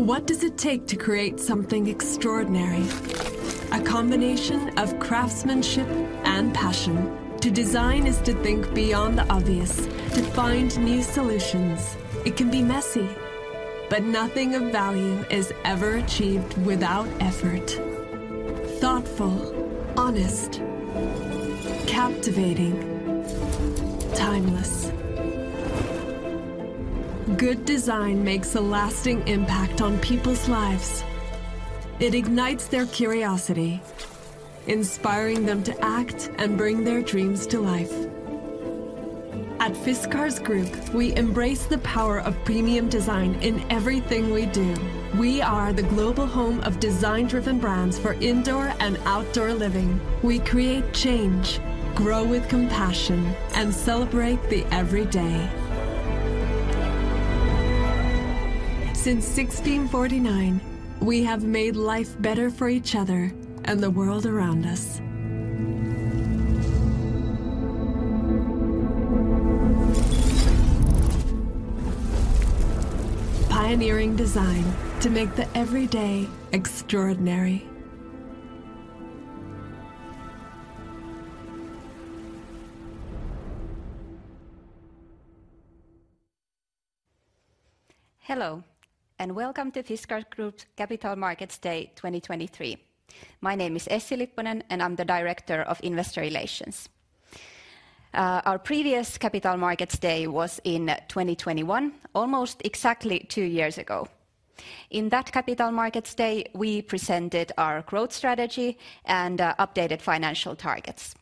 Hello, and welcome to Fiskars Group's Capital Markets Day 2023. My name is Essi Lipponen, and I'm the Director of Investor Relations. Our previous Capital Markets Day was in 2021, almost exactly two years ago. In that Capital Markets Day, we presented our growth strategy and updated financial targets.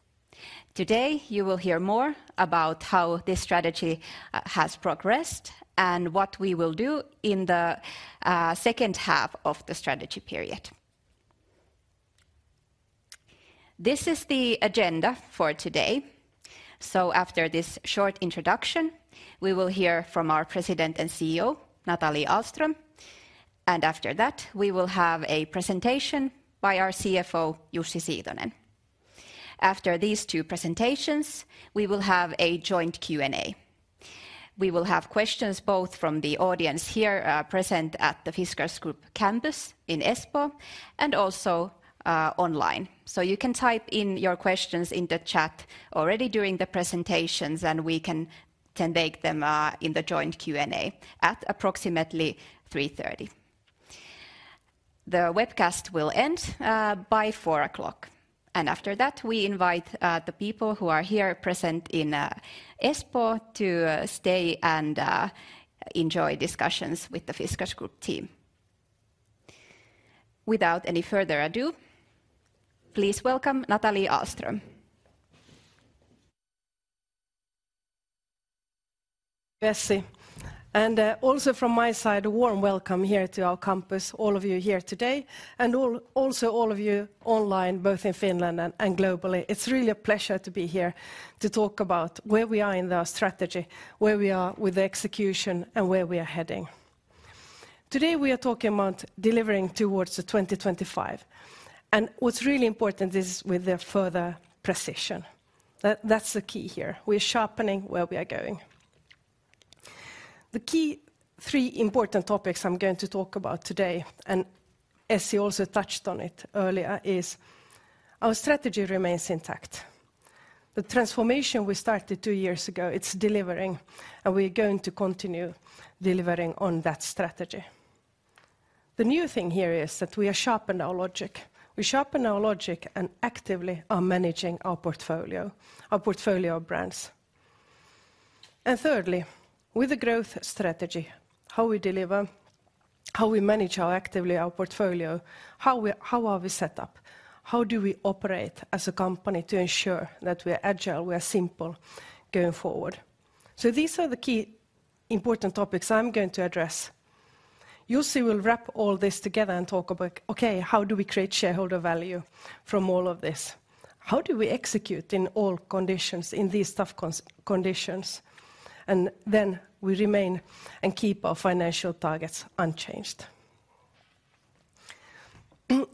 Today, you will hear more about how this strategy has progressed and what we will do in the second half of the strategy period. This is the agenda for today. After this short introduction, we will hear from our President and CEO, Nathalie Ahlström, and after that, we will have a presentation by our CFO, Jussi Siitonen. After these two presentations, we will have a joint Q&A. We will have questions both from the audience here present at the Fiskars Group campus in Espoo and also online. So you can type in your questions in the chat already during the presentations, and we can take them in the joint Q&A at approximately 3:30 P.M. The webcast will end by 4:00 P.M., and after that, we invite the people who are here present in Espoo to stay and enjoy discussions with the Fiskars Group team. Without any further ado, please welcome Nathalie Ahlström.... Essi, and also from my side, a warm welcome here to our campus, all of you here today, and also all of you online, both in Finland and globally. It's really a pleasure to be here to talk about where we are in our strategy, where we are with the execution, and where we are heading. Today, we are talking about delivering towards 2025, and what's really important is with the further precision. That, that's the key here. We're sharpening where we are going. The key three important topics I'm going to talk about today, and Essi also touched on it earlier, is our strategy remains intact. The transformation we started two years ago, it's delivering, and we're going to continue delivering on that strategy. The new thing here is that we have sharpened our logic. We sharpen our logic and actively are managing our portfolio, our portfolio of brands. Thirdly, with the growth strategy, how we deliver, how we manage our actively our portfolio, how we—how are we set up? How do we operate as a company to ensure that we're agile, we're simple going forward? These are the key important topics I'm going to address. Jussi will wrap all this together and talk about, okay, how do we create shareholder value from all of this? How do we execute in all conditions, in these tough conditions, and then we remain and keep our financial targets unchanged?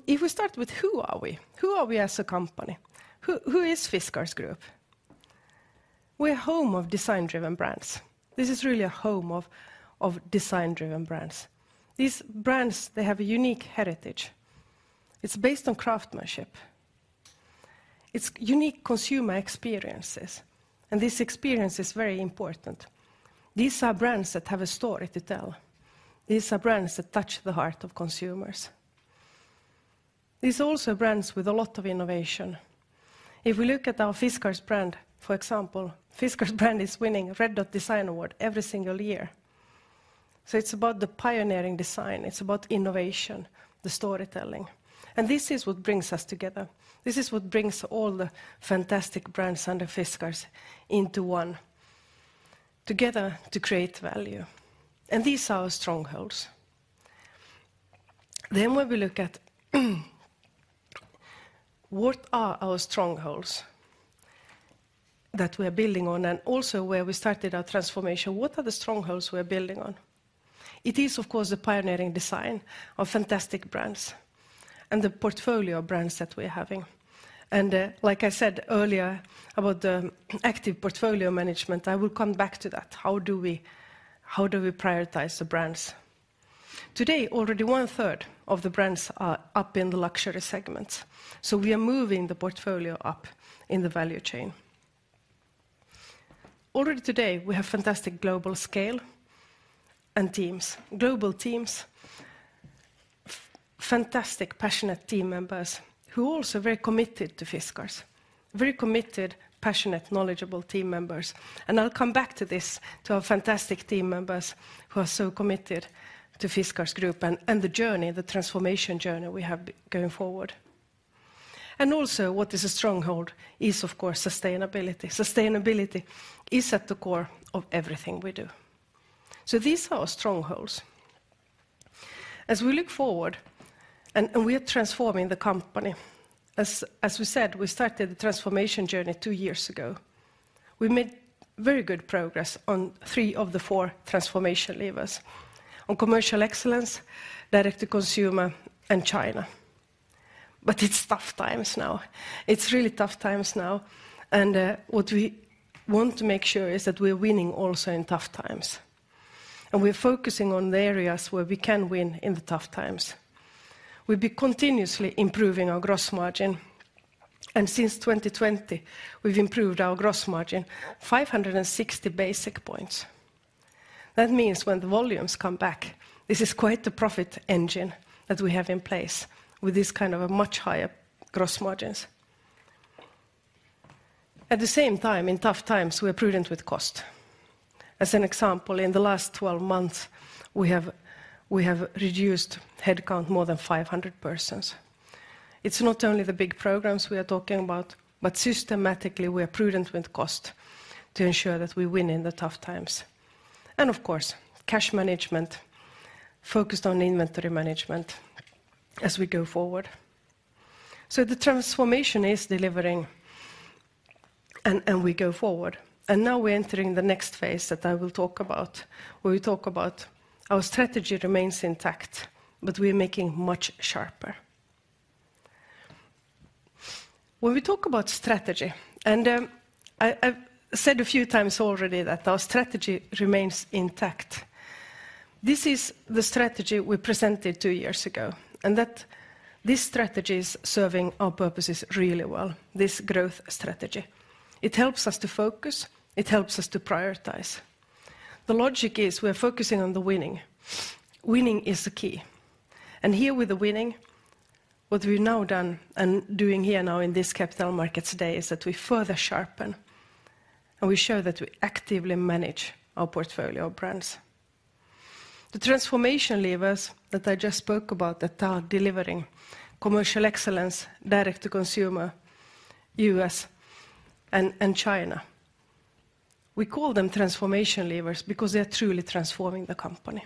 If we start with who are we? Who are we as a company? Who, who is Fiskars Group? We're home of design-driven brands. This is really a home of, of design-driven brands. These brands, they have a unique heritage. It's based on craftsmanship. It's unique consumer experiences, and this experience is very important. These are brands that have a story to tell. These are brands that touch the heart of consumers. These are also brands with a lot of innovation. If we look at our Fiskars brand, for example, Fiskars brand is winning Red Dot Design Award every single year. So it's about the pioneering design, it's about innovation, the storytelling, and this is what brings us together. This is what brings all the fantastic brands under Fiskars into one... together to create value, and these are our strongholds. Then when we look at what are our strongholds that we're building on, and also where we started our transformation, what are the strongholds we're building on? It is, of course, the pioneering design of fantastic brands and the portfolio of brands that we're having. Like I said earlier about the active portfolio management, I will come back to that. How do we, how do we prioritize the brands? Today, already one-third of the brands are up in the luxury segment, so we are moving the portfolio up in the value chain. Already today, we have fantastic global scale and teams, global teams, fantastic, passionate team members who are also very committed to Fiskars, very committed, passionate, knowledgeable team members. I'll come back to this, to our fantastic team members who are so committed to Fiskars Group and, and the journey, the transformation journey we have going forward. Also, what is a stronghold is, of course, sustainability. Sustainability is at the core of everything we do. These are our strongholds. As we look forward, and we are transforming the company, as we said, we started the transformation journey two years ago. We made very good progress on three of the four transformation levers: on commercial excellence, direct to consumer, and China. But it's tough times now. It's really tough times now, and what we want to make sure is that we're winning also in tough times, and we're focusing on the areas where we can win in the tough times. We've been continuously improving our gross margin, and since 2020, we've improved our gross margin 560 basis points. That means when the volumes come back, this is quite the profit engine that we have in place with this kind of a much higher gross margins. At the same time, in tough times, we're prudent with cost. As an example, in the last 12 months, we have, we have reduced headcount more than 500 persons. It's not only the big programs we are talking about, but systematically, we are prudent with cost to ensure that we win in the tough times. And of course, cash management, focused on inventory management as we go forward. So the transformation is delivering, and we go forward. And now we're entering the next phase that I will talk about, where we talk about our strategy remains intact, but we're making much sharper. When we talk about strategy, and I, I've said a few times already that our strategy remains intact. This is the strategy we presented two years ago, and that this strategy is serving our purposes really well, this growth strategy. It helps us to focus, it helps us to prioritize. The logic is we're focusing on the winning. Winning is the key, and here with the winning, what we've now done and doing here now in this capital markets today is that we further sharpen, and we show that we actively manage our portfolio of brands. The transformation levers that I just spoke about that are delivering commercial excellence, direct to consumer, U.S., and China. We call them transformation levers because they are truly transforming the company.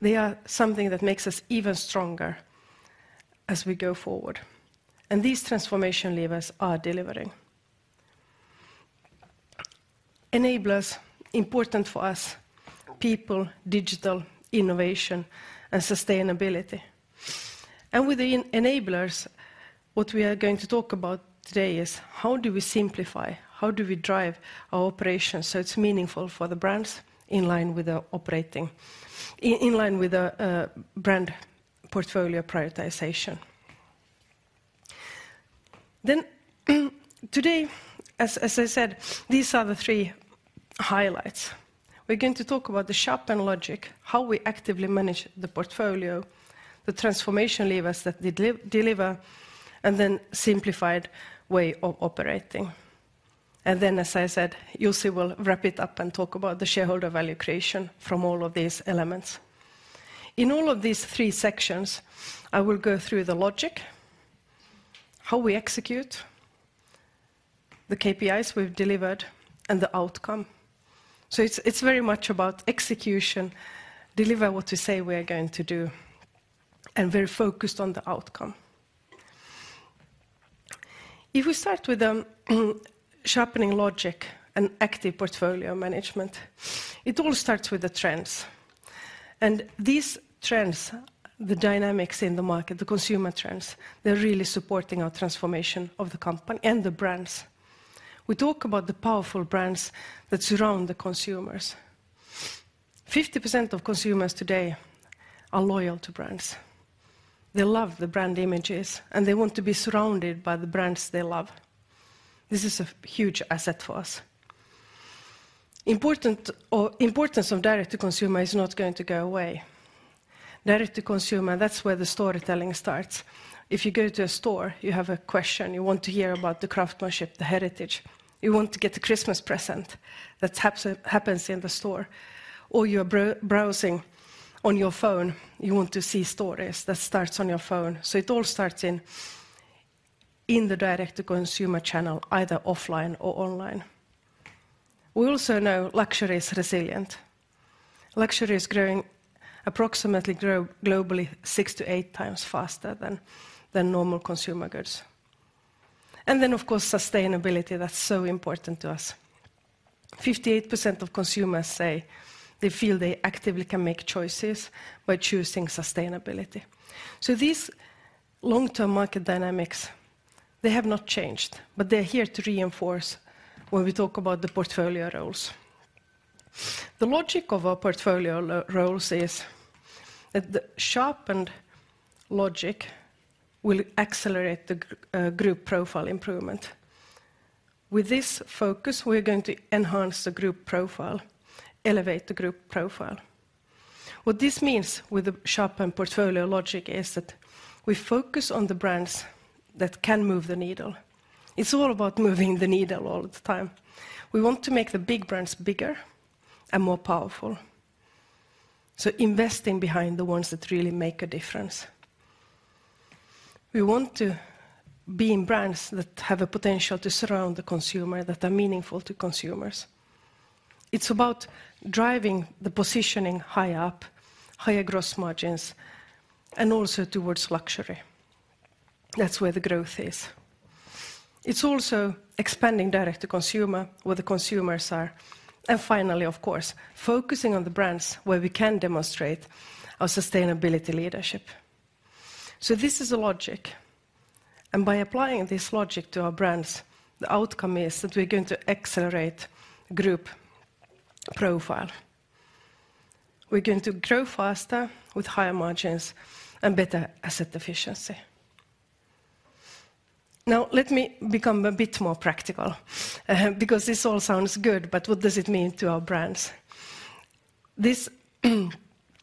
They are something that makes us even stronger as we go forward, and these transformation levers are delivering. Enablers, important for us, people, digital, innovation, and sustainability. And with the enablers, what we are going to talk about today is: How do we simplify? How do we drive our operations so it's meaningful for the brands in line with our operating in line with our brand portfolio prioritization? Then, today, as I said, these are the three highlights. We're going to talk about the sharpening logic, how we actively manage the portfolio, the transformation levers that deliver, and then simplified way of operating. And then, as I said, Jussi will wrap it up and talk about the shareholder value creation from all of these elements. In all of these three sections, I will go through the logic, how we execute, the KPIs we've delivered, and the outcome. So it's very much about execution, deliver what we say we are going to do, and very focused on the outcome. If we start with the sharpening logic and active portfolio management, it all starts with the trends. And these trends, the dynamics in the market, the consumer trends, they're really supporting our transformation of the company and the brands. We talk about the powerful brands that surround the consumers. 50% of consumers today are loyal to brands. They love the brand images, and they want to be surrounded by the brands they love. This is a huge asset for us. The importance of direct to consumer is not going to go away. Direct to consumer, that's where the storytelling starts. If you go to a store, you have a question, you want to hear about the craftsmanship, the heritage. You want to get a Christmas present, that happens in the store, or you're browsing on your phone, you want to see stories that starts on your phone. So it all starts in the direct to consumer channel, either offline or online. We also know luxury is resilient. Luxury is growing approximately globally 6x -8x faster than normal consumer goods. Then, of course, sustainability, that's so important to us. 58% of consumers say they feel they actively can make choices by choosing sustainability. These long-term market dynamics, they have not changed, but they're here to reinforce when we talk about the portfolio roles. The logic of our portfolio roles is that the sharpened logic will accelerate the group profile improvement. With this focus, we're going to enhance the group profile, elevate the group profile. What this means with the sharpened portfolio logic is that we focus on the brands that can move the needle. It's all about moving the needle all of the time. We want to make the big brands bigger and more powerful, so investing behind the ones that really make a difference. We want to be in brands that have a potential to surround the consumer, that are meaningful to consumers. It's about driving the positioning high up, higher gross margins, and also towards luxury. That's where the growth is. It's also expanding direct to consumer, where the consumers are, and finally, of course, focusing on the brands where we can demonstrate our sustainability leadership. So this is the logic, and by applying this logic to our brands, the outcome is that we're going to accelerate group profile. We're going to grow faster with higher margins and better asset efficiency. Now, let me become a bit more practical, because this all sounds good, but what does it mean to our brands? This...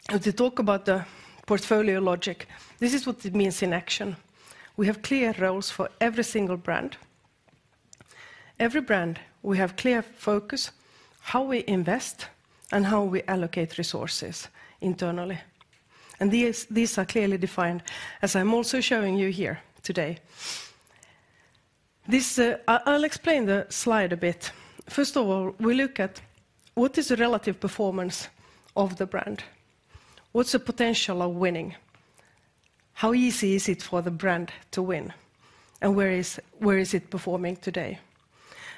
To talk about the portfolio logic, this is what it means in action. We have clear roles for every single brand. Every brand, we have clear focus, how we invest, and how we allocate resources internally. And these, these are clearly defined, as I'm also showing you here today. This, I'll explain the slide a bit. First of all, we look at what is the relative performance of the brand? What's the potential of winning? How easy is it for the brand to win, and where is it performing today?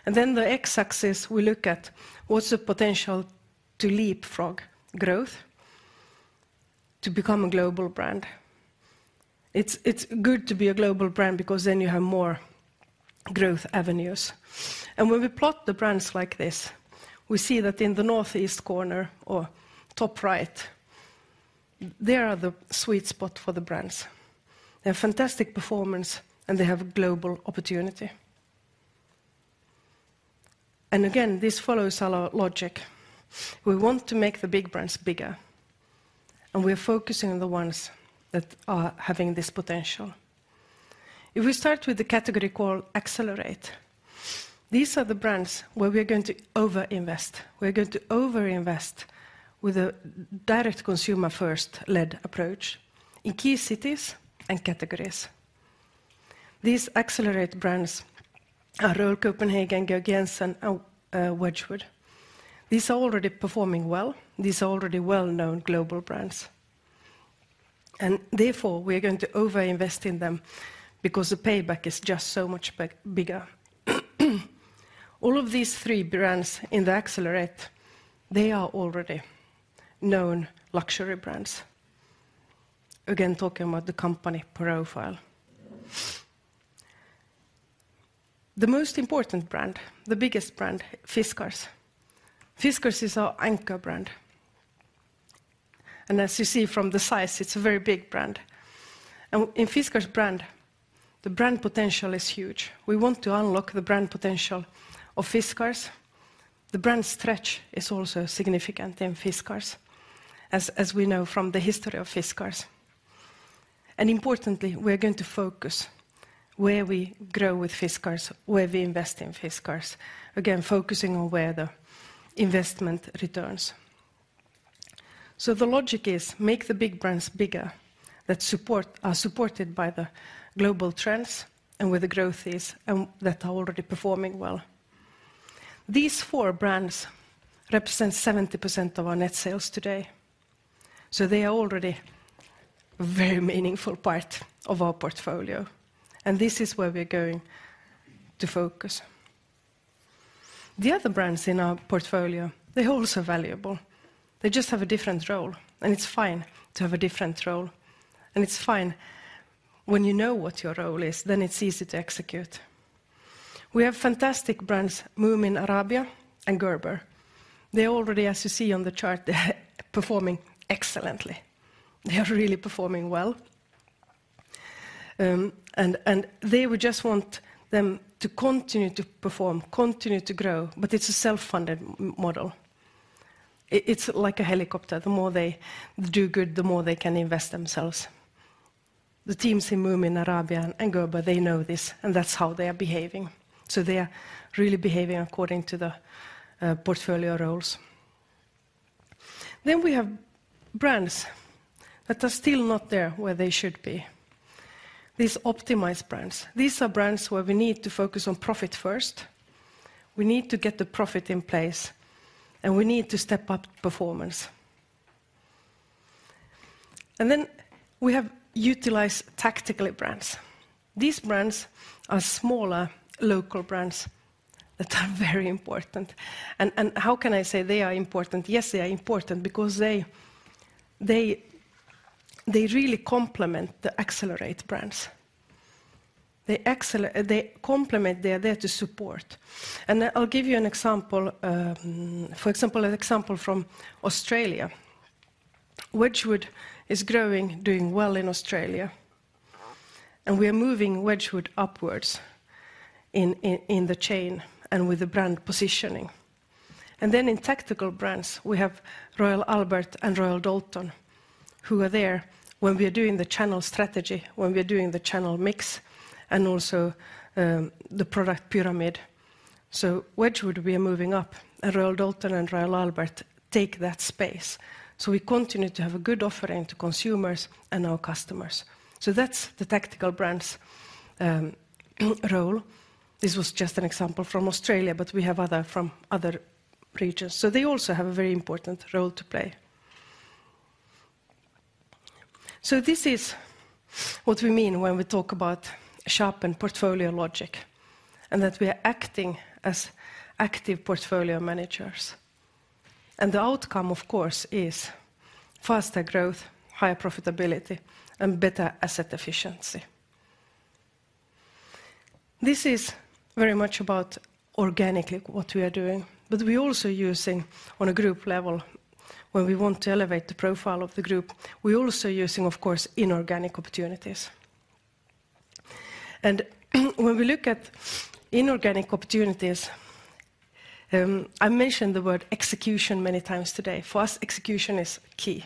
And then the x-axis, we look at what's the potential to leapfrog growth to become a global brand. It's good to be a global brand because then you have more growth avenues. And when we plot the brands like this, we see that in the northeast corner or top right, there are the sweet spot for the brands. They have fantastic performance, and they have a global opportunity. And again, this follows our logic. We want to make the big brands bigger, and we're focusing on the ones that are having this potential. If we start with the category called Accelerate, these are the brands where we're going to over-invest. We're going to over-invest with a direct-to-consumer-first-led approach in key cities and categories. These Accelerate brands are Royal Copenhagen, Georg Jensen, and Wedgwood. These are already performing well. These are already well-known global brands, and therefore, we're going to over-invest in them because the payback is just so much bigger. All of these three brands in the Accelerate, they are already known luxury brands. Again, talking about the company profile. The most important brand, the biggest brand, Fiskars. Fiskars is our anchor brand, and as you see from the size, it's a very big brand. In Fiskars brand, the brand potential is huge. We want to unlock the brand potential of Fiskars. The brand stretch is also significant in Fiskars, as we know from the history of Fiskars. Importantly, we're going to focus where we grow with Fiskars, where we invest in Fiskars. Again, focusing on where the investment returns. So the logic is, make the big brands bigger, that support... are supported by the global trends and where the growth is and that are already performing well. These four brands represent 70% of our net sales today, so they are already a very meaningful part of our portfolio, and this is where we're going to focus. The other brands in our portfolio, they're also valuable. They just have a different role, and it's fine to have a different role, and it's fine when you know what your role is, then it's easy to execute. We have fantastic brands, Moomin, Arabia, and Gerber. They already, as you see on the chart, they're performing excellently. They are really performing well. They would just want them to continue to perform, continue to grow, but it's a self-funded model. It's like a helicopter. The more they do good, the more they can invest themselves. The teams in Moomin, Arabia, and Gerber, they know this, and that's how they are behaving. So they are really behaving according to the portfolio roles... Then we have brands that are still not there where they should be. These Optimize brands. These are brands where we need to focus on profit first. We need to get the profit in place, and we need to step up performance. And then we have Tactical brands. These brands are smaller, local brands that are very important. And how can I say they are important? Yes, they are important because they really complement the Accelerate brands. They complement, they are there to support. I'll give you an example, for example, an example from Australia. Wedgwood is growing, doing well in Australia, and we are moving Wedgwood upwards in, in, in the chain and with the brand positioning. Then in Tactical brands, we have Royal Albert and Royal Doulton, who are there when we are doing the channel strategy, when we are doing the channel mix, and also, the product pyramid. So Wedgwood, we are moving up, and Royal Doulton and Royal Albert take that space. So we continue to have a good offering to consumers and our customers. So that's the Tactical brands' role. This was just an example from Australia, but we have other from other regions. They also have a very important role to play. So this is what we mean when we talk about sharpened portfolio logic, and that we are acting as active portfolio managers. The outcome, of course, is faster growth, higher profitability, and better asset efficiency. This is very much about organically what we are doing, but we're also using on a group level, where we want to elevate the profile of the group, we're also using, of course, inorganic opportunities. When we look at inorganic opportunities, I mentioned the word execution many times today. For us, execution is key.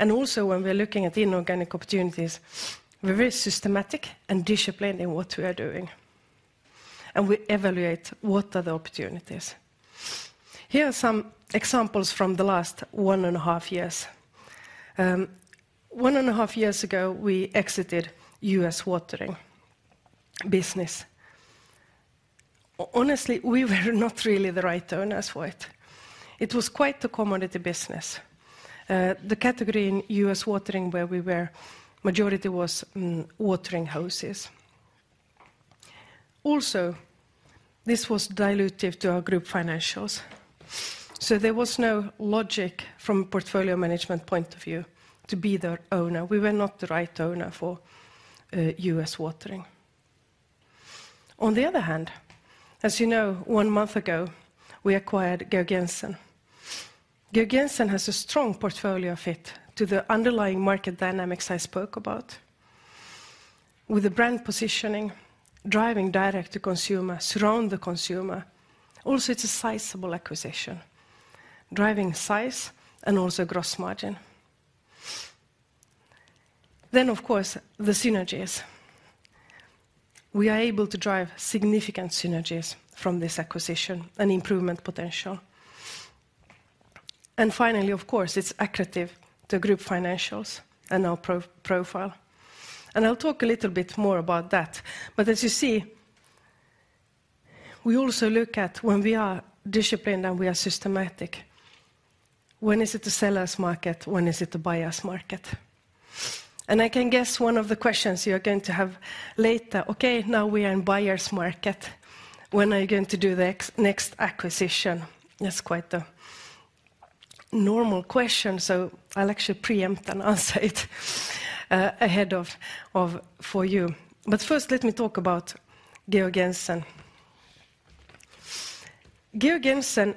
Also, when we're looking at inorganic opportunities, we're very systematic and disciplined in what we are doing, and we evaluate what are the opportunities. Here are some examples from the last 1.5 years. 1.5 years ago, we exited U.S. watering business. Honestly, we were not really the right owners for it. It was quite the commodity business. The category in U.S. Watering, where we were, majority was watering hoses. Also, this was dilutive to our group financials. So there was no logic from a portfolio management point of view to be their owner. We were not the right owner for U.S. Watering. On the other hand, as you know, one month ago, we acquired Georg Jensen. Georg Jensen has a strong portfolio fit to the underlying market dynamics I spoke about, with the brand positioning, driving direct to consumer, surround the consumer. Also, it's a sizable acquisition, driving size and also gross margin. Then, of course, the synergies. We are able to drive significant synergies from this acquisition and improvement potential. And finally, of course, it's accretive to group financials and our pro- profile. I'll talk a little bit more about that. But as you see, we also look at when we are disciplined, and we are systematic. When is it a seller's market? When is it a buyer's market? And I can guess one of the questions you're going to have later, "Okay, now we are in buyer's market. When are you going to do the next acquisition?" That's quite a normal question, so I'll actually preempt and answer it ahead of for you. But first, let me talk about Georg Jensen. Georg Jensen,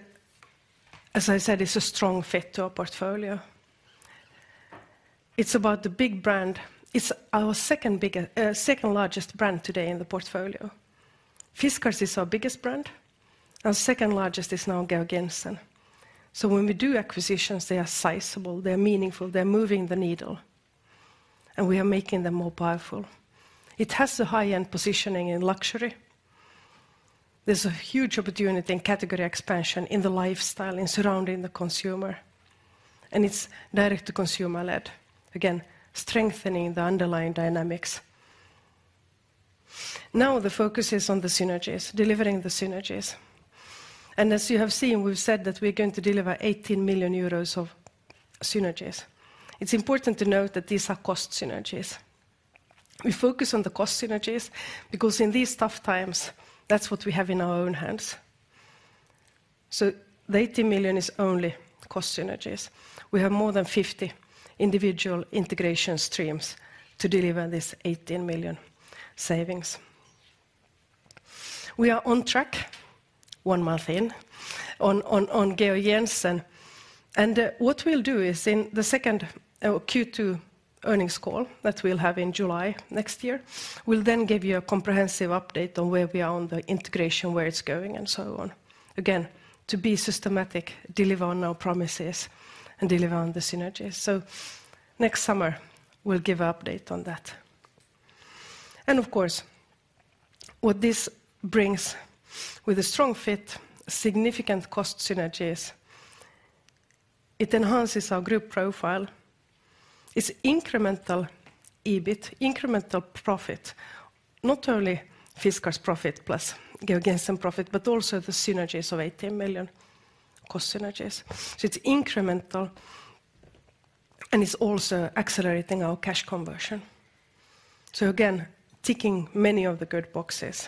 as I said, is a strong fit to our portfolio. It's about the big brand. It's our second bigger second largest brand today in the portfolio. Fiskars is our biggest brand, our second largest is now Georg Jensen. So when we do acquisitions, they are sizable, they're meaningful, they're moving the needle, and we are making them more powerful. It has a high-end positioning in luxury. There's a huge opportunity in category expansion in the lifestyle and surrounding the consumer, and it's direct-to-consumer led, again, strengthening the underlying dynamics. Now, the focus is on the synergies, delivering the synergies. And as you have seen, we've said that we're going to deliver 18 million euros of synergies. It's important to note that these are cost synergies. We focus on the cost synergies because in these tough times, that's what we have in our own hands. So the 18 million is only cost synergies. We have more than 50 individual integration streams to deliver this 18 million savings. We are on track, one month in, on Georg Jensen, and what we'll do is in the second Q2 earnings call that we'll have in July next year, we'll then give you a comprehensive update on where we are on the integration, where it's going, and so on. Again, to be systematic, deliver on our promises, and deliver on the synergies. So next summer, we'll give an update on that. And of course, what this brings with a strong fit, significant cost synergies. It enhances our group profile, its incremental EBIT, incremental profit, not only Fiskars' profit plus Georg Jensen profit, but also the synergies of 18 million, cost synergies. So it's incremental, and it's also accelerating our cash conversion. So again, ticking many of the good boxes.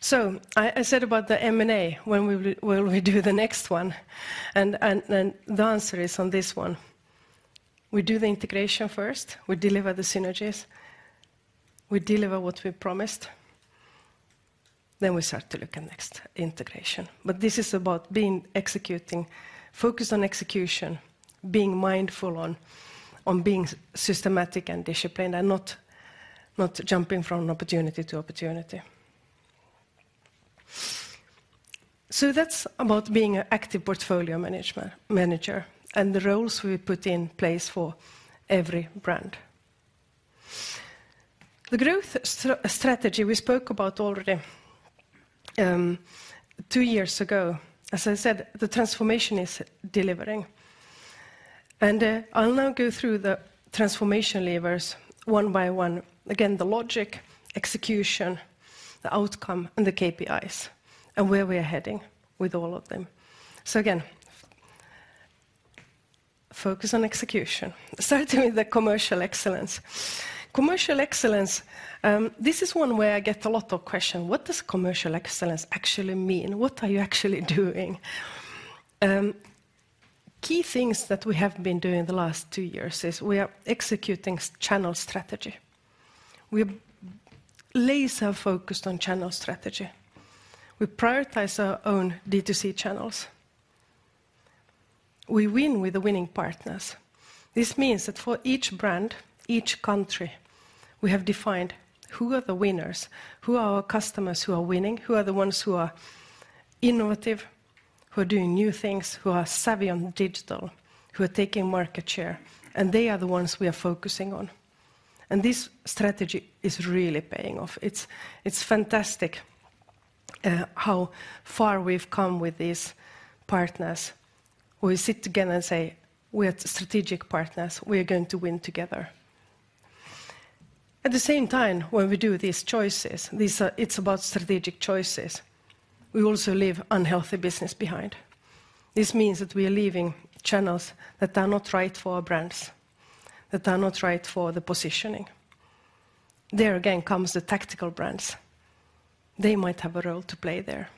So I said about the M&A, when will we, when will we do the next one? The answer is on this one, we do the integration first, we deliver the synergies, we deliver what we promised, then we start to look at next integration. But this is about being executing, focus on execution, being mindful on being systematic and disciplined and not jumping from opportunity to opportunity. So that's about being an active portfolio manager and the roles we put in place for every brand. The growth strategy we spoke about already, two years ago. As I said, the transformation is delivering, and I'll now go through the transformation levers one by one. Again, the logic, execution, the outcome, and the KPIs, and where we are heading with all of them. So again, focus on execution. Starting with the commercial excellence. Commercial excellence, this is one where I get a lot of question: What does commercial excellence actually mean? What are you actually doing? Key things that we have been doing the last two years is we are executing channel strategy. We're laser focused on channel strategy. We prioritize our own D2C channels. We win with the winning partners. This means that for each brand, each country, we have defined who are the winners, who are our customers who are winning, who are the ones who are innovative, who are doing new things, who are savvy on digital, who are taking market share, and they are the ones we are focusing on. This strategy is really paying off. It's, it's fantastic, how far we've come with these partners. We sit together and say, "We are strategic partners, we are going to win together." At the same time, when we do these choices, these are. It's about strategic choices, we also leave unhealthy business behind. This means that we are leaving channels that are not right for our brands, that are not right for the positioning. There again, comes the Tactical brands. They might have a role to play there.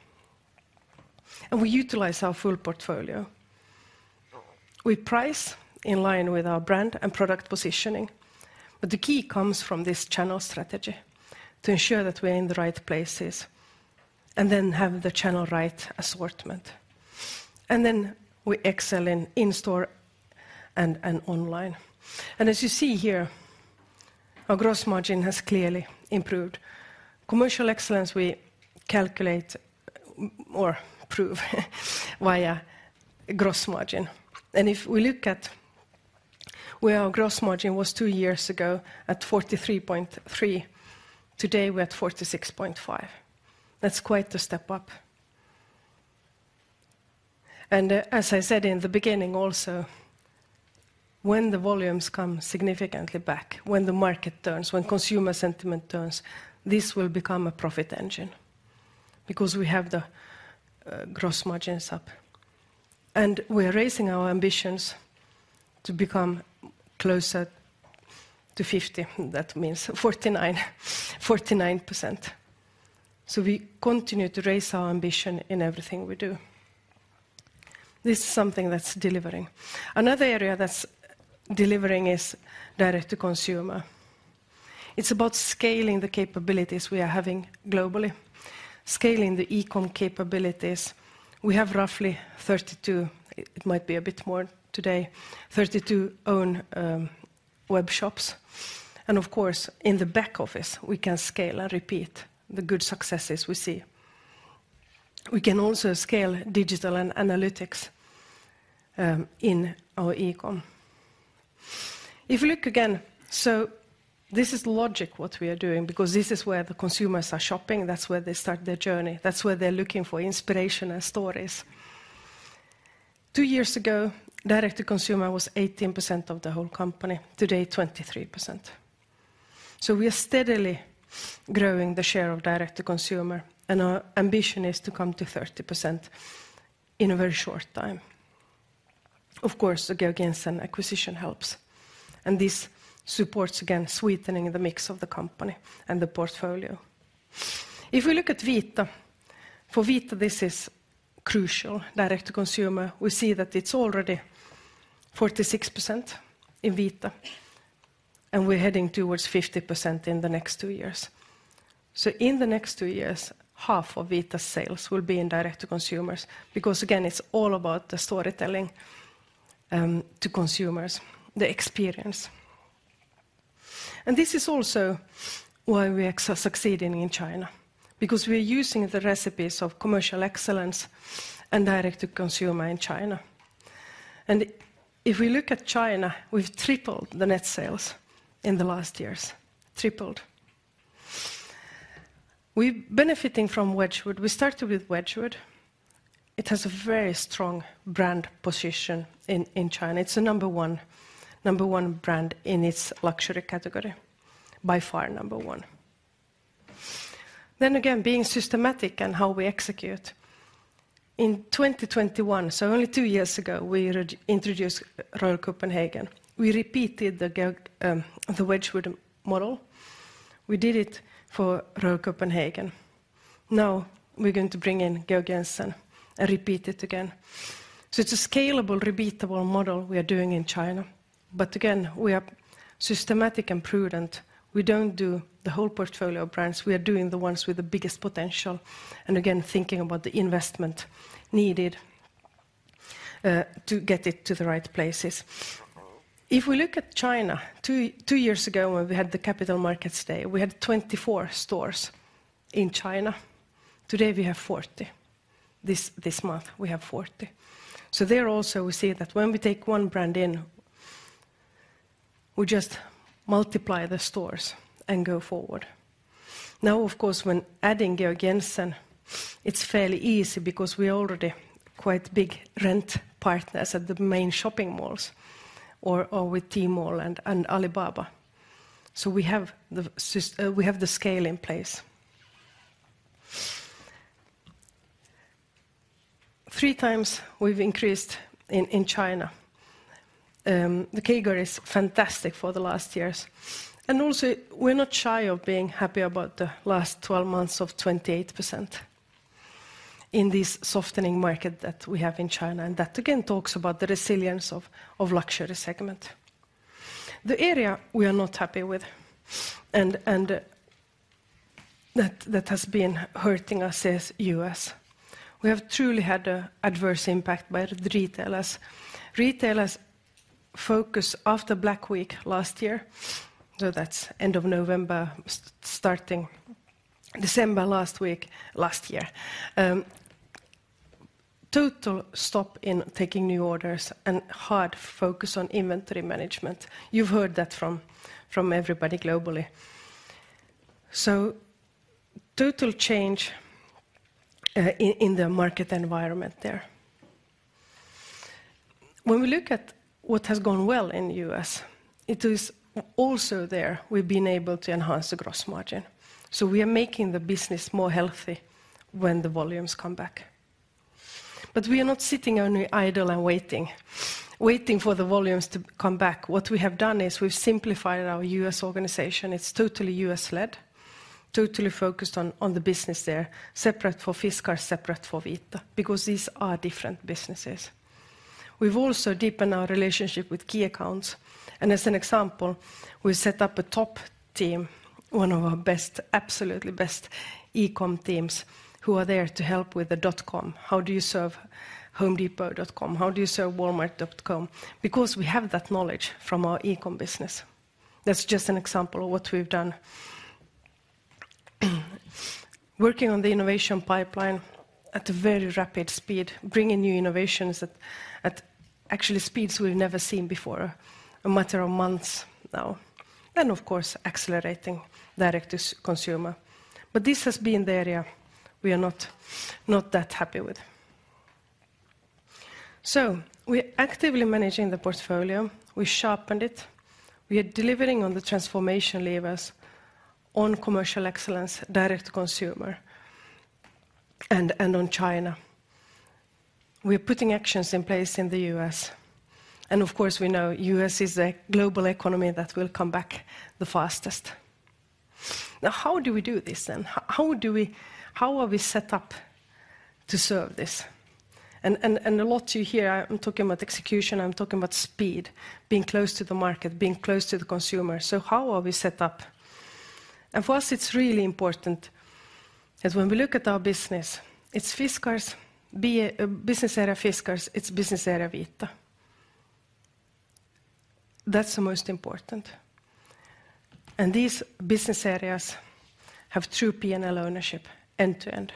And we utilize our full portfolio. We price in line with our brand and product positioning, but the key comes from this channel strategy to ensure that we're in the right places, and then have the channel right assortment. And then we excel in-store and online. And as you see here, our gross margin has clearly improved. Commercial excellence, we calculate or prove via gross margin. And if we look at where our gross margin was two years ago at 43.3%, today, we're at 46.5%. That's quite a step up. And, as I said in the beginning, also, when the volumes come significantly back, when the market turns, when consumer sentiment turns, this will become a profit engine because we have the gross margins up. And we're raising our ambitions to become closer to 50%, that means 49, 49%. So we continue to raise our ambition in everything we do. This is something that's delivering. Another area that's delivering is direct to consumer. It's about scaling the capabilities we are having globally, scaling the e-com capabilities. We have roughly 32%, it might be a bit more today, 32 own web shops, and of course, in the back office, we can scale and repeat the good successes we see. We can also scale digital and analytics in our e-com. If you look again... So this is logic, what we are doing, because this is where the consumers are shopping. That's where they start their journey. That's where they're looking for inspiration and stories. Two years ago, direct to consumer was 18% of the whole company, today, 23%. So we are steadily growing the share of direct to consumer, and our ambition is to come to 30% in a very short time. Of course, the Georg Jensen acquisition helps, and this supports, again, sweetening the mix of the company and the portfolio. If we look at Vita, for Vita, this is crucial. Direct to consumer, we see that it's already 46% in Vita, and we're heading towards 50% in the next two years. So in the next two years, half of Vita's sales will be in direct to consumers because, again, it's all about the storytelling, to consumers, the experience. And this is also why we are succeeding in China, because we're using the recipes of commercial excellence and direct to consumer in China. And if we look at China, we've tripled the net sales in the last years. Tripled. We're benefiting from Wedgwood. We started with Wedgwood. It has a very strong brand position in China. It's the number one, number one brand in its luxury category, by far, number one. Then again, being systematic in how we execute. In 2021, so only two years ago, we introduced Royal Copenhagen. We repeated the Wedgwood model. We did it for Royal Copenhagen. Now, we're going to bring in Georg Jensen and repeat it again. So it's a scalable, repeatable model we are doing in China. But again, we are systematic and prudent. We don't do the whole portfolio of brands, we are doing the ones with the biggest potential, and again, thinking about the investment needed to get it to the right places. If we look at China, two, two years ago, when we had the Capital Markets Day, we had 24 stores in China. Today, we have 40. This, this month, we have 40. So there also, we see that when we take one brand in, we just multiply the stores and go forward. Now, of course, when adding Georg Jensen, it's fairly easy because we're already quite big retail partners at the main shopping malls or, or with Tmall and, and Alibaba. So we have the scale in place. 3x we've increased in, in China. The CAGR is fantastic for the last years. And also, we're not shy of being happy about the last 12 months of 28% in this softening market that we have in China, and that, again, talks about the resilience of, of luxury segment. The area we are not happy with, and, and that, that has been hurting us is U.S. We have truly had a adverse impact by the retailers. Retailers' focus after Black Week last year, so that's end of November, starting December last week, last year, total stop in taking new orders and hard focus on inventory management. You've heard that from, from everybody globally. So total change, in, in the market environment there. When we look at what has gone well in U.S., it is also there we've been able to enhance the gross margin, so we are making the business more healthy when the volumes come back. But we are not sitting only idle and waiting, waiting for the volumes to come back. What we have done is we've simplified our U.S. organization. It's totally U.S.-led, totally focused on, on the business there, separate for Fiskars, separate for Vita, because these are different businesses. We've also deepened our relationship with key accounts, and as an example, we set up a top team, one of our best, absolutely best e-com teams, who are there to help with the dot com. How do you serve HomeDepot.com? How do you serve Walmart.com? Because we have that knowledge from our e-com business. That's just an example of what we've done. Working on the innovation pipeline at a very rapid speed, bringing new innovations at actually speeds we've never seen before, a matter of months now, and of course, accelerating direct to consumer. But this has been the area we are not that happy with. So we're actively managing the portfolio. We sharpened it. We are delivering on the transformation levers on commercial excellence, direct to consumer, and on China. We're putting actions in place in the U.S., and of course, we know U.S. is a global economy that will come back the fastest. Now, how do we do this, then? How are we set up to serve this? A lot you hear, I'm talking about execution, I'm talking about speed, being close to the market, being close to the consumer. So how are we set up? For us, it's really important, as when we look at our business, it's Fiskars, Business Area Fiskars, it's Business Area Vita. That's the most important. These business areas have true P&L ownership, end to end.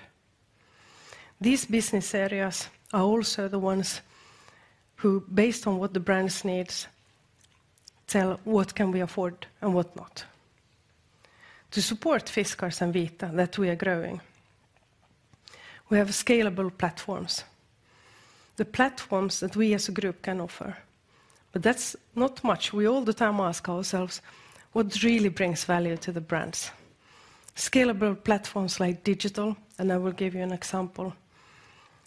These business areas are also the ones who, based on what the brands needs, tell what can we afford and what not. To support Fiskars and Vita, that we are growing, we have scalable platforms, the platforms that we as a group can offer. But that's not much. We all the time ask ourselves: What really brings value to the brands? Scalable platforms like digital, and I will give you an example,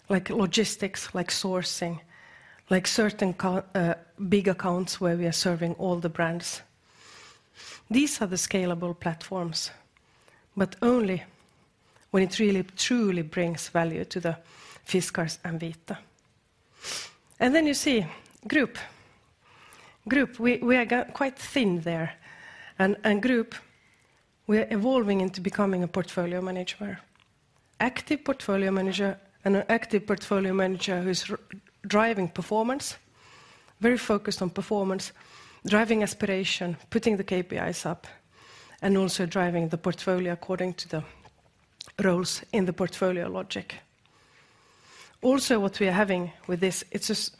like logistics, like sourcing, like certain big accounts where we are serving all the brands. These are the scalable platforms, but only when it really, truly brings value to the Fiskars and Vita. Then you see, group. Group, we, we are quite thin there, and, and group, we're evolving into becoming a portfolio manager, active portfolio manager and an active portfolio manager who's driving performance, very focused on performance, driving aspiration, putting the KPIs up, and also driving the portfolio according to the roles in the portfolio logic. Also, what we are having with this, it's this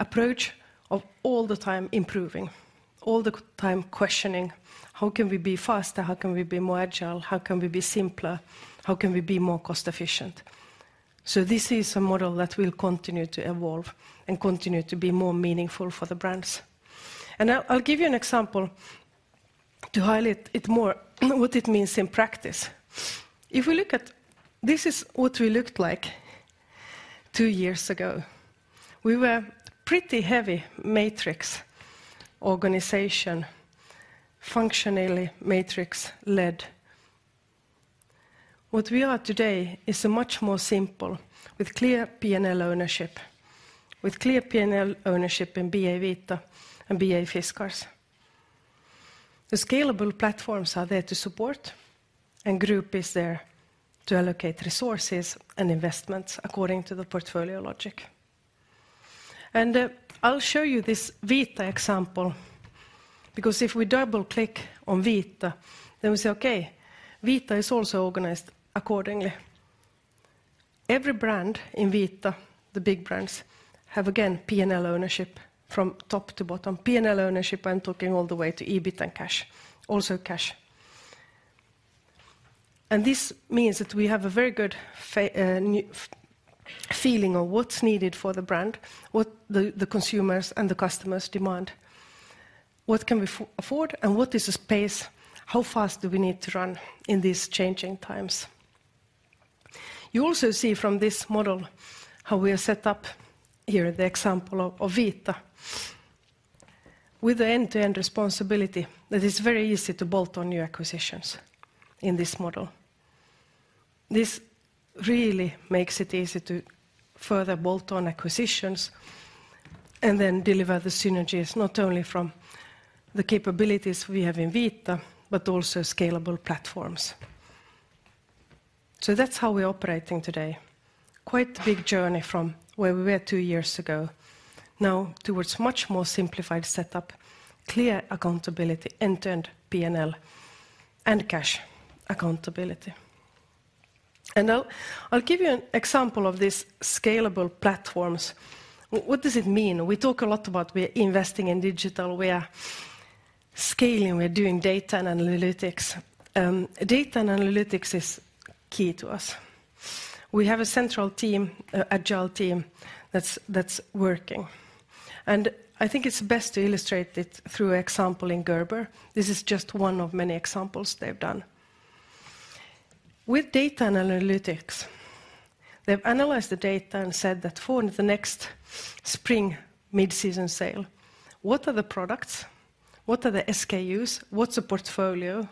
approach of all the time improving, all the time questioning, how can we be faster? How can we be more agile? How can we be simpler? How can we be more cost-efficient? So this is a model that will continue to evolve and continue to be more meaningful for the brands. I'll give you an example to highlight it more, what it means in practice. If we look at, this is what we looked like two years ago. We were pretty heavy matrix organization, functionally matrix-led. What we are today is a much more simple, with clear P&L ownership, with clear P&L ownership in BA Vita and BA Fiskars. The scalable platforms are there to support, and group is there to allocate resources and investments according to the portfolio logic. And, I'll show you this Vita example, because if we double-click on Vita, then we say, okay, Vita is also organized accordingly. Every brand in Vita, the big brands, have again, P&L ownership from top to bottom. P&L ownership, I'm talking all the way to EBIT and cash, also cash. And this means that we have a very good feeling of what's needed for the brand, what the, the consumers and the customers demand. What can we afford, and what is the pace? How fast do we need to run in these changing times? You also see from this model how we are set up here, the example of Vita. With the end-to-end responsibility, that it's very easy to bolt on new acquisitions in this model. This really makes it easy to further bolt on acquisitions and then deliver the synergies, not only from the capabilities we have in Vita, but also scalable platforms. So that's how we're operating today. Quite a big journey from where we were two years ago, now towards much more simplified setup, clear accountability, end-to-end P&L, and cash accountability. And now, I'll give you an example of these scalable platforms. What does it mean? We talk a lot about we're investing in digital, we're scaling, we're doing data and analytics. Data and analytics is key to us. We have a central team, a agile team, that's working. And I think it's best to illustrate it through example in Gerber. This is just one of many examples they've done. With data and analytics, they've analyzed the data and said that for the next spring mid-season sale, what are the products? What are the SKUs? What's the portfolio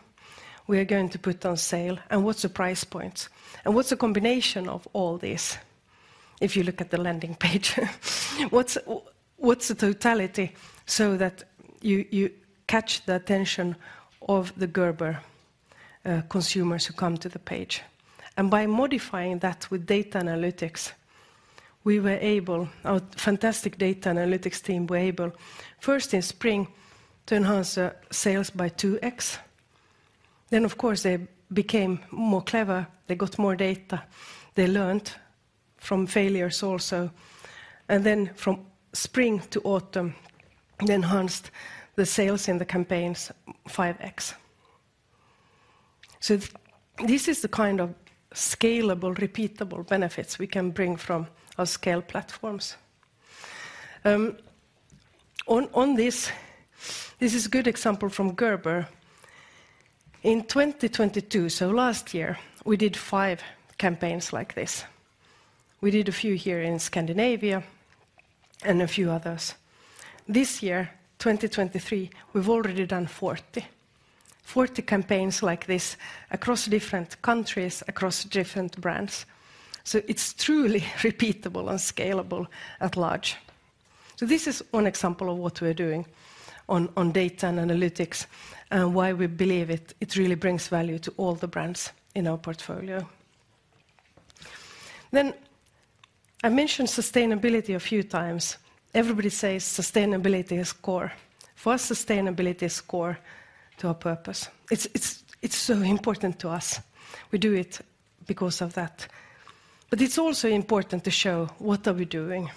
we're going to put on sale? And what's the price point? And what's the combination of all this, if you look at the landing page? What's the totality, so that you catch the attention of the Gerber consumers who come to the page? And by modifying that with data analytics, we were able. Our fantastic data analytics team were able, first in spring, to enhance sales by 2x. Then, of course, they became more clever, they got more data, they learned from failures also. Then from spring to autumn, they enhanced the sales in the campaigns 5x. So this is the kind of scalable, repeatable benefits we can bring from our scale platforms. On this, this is a good example from Gerber. In 2022, so last year, we did five campaigns like this. We did a few here in Scandinavia and a few others. This year, 2023, we've already done 40. 40 campaigns like this across different countries, across different brands. So it's truly repeatable and scalable at large. So this is one example of what we're doing on data and analytics, and why we believe it really brings value to all the brands in our portfolio. Then, I mentioned sustainability a few times. Everybody says sustainability is core. For us, sustainability is core to our purpose. It's so important to us. We do it because of that. But it's also important to show what are we doing,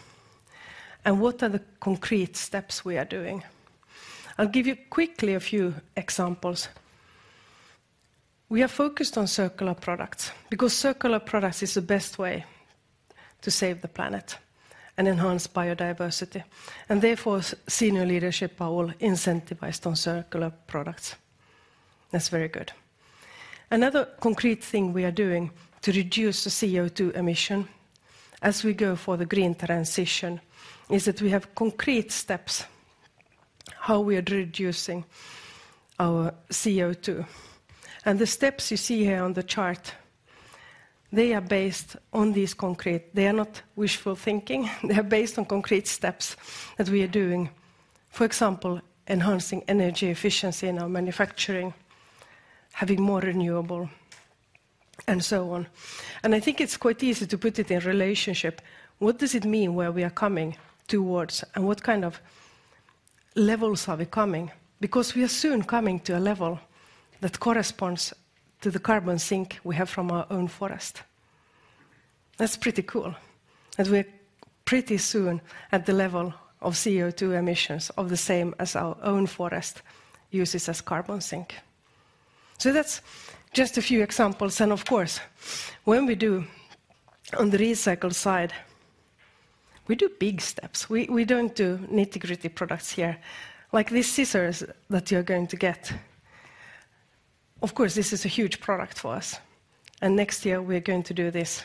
and what are the concrete steps we are doing. I'll give you quickly a few examples. We are focused on circular products, because circular products is the best way to save the planet and enhance biodiversity. And therefore, senior leadership are all incentivized on circular products. That's very good. Another concrete thing we are doing to reduce the CO2 emission, as we go for the green transition, is that we have concrete steps how we are reducing our CO2. And the steps you see here on the chart, they are based on these concrete... They are not wishful thinking. They are based on concrete steps that we are doing. For example, enhancing energy efficiency in our manufacturing, having more renewable, and so on. And I think it's quite easy to put it in relationship. What does it mean, where we are coming towards? And what kind of levels are we coming? Because we are soon coming to a level that corresponds to the carbon sink we have from our own forest. That's pretty cool, and we're pretty soon at the level of CO2 emissions of the same as our own forest uses as carbon sink. So that's just a few examples, and of course, when we do on the recycled side, we do big steps. We don't do nitty-gritty products here. Like these scissors that you're going to get, of course, this is a huge product for us, and next year we're going to do this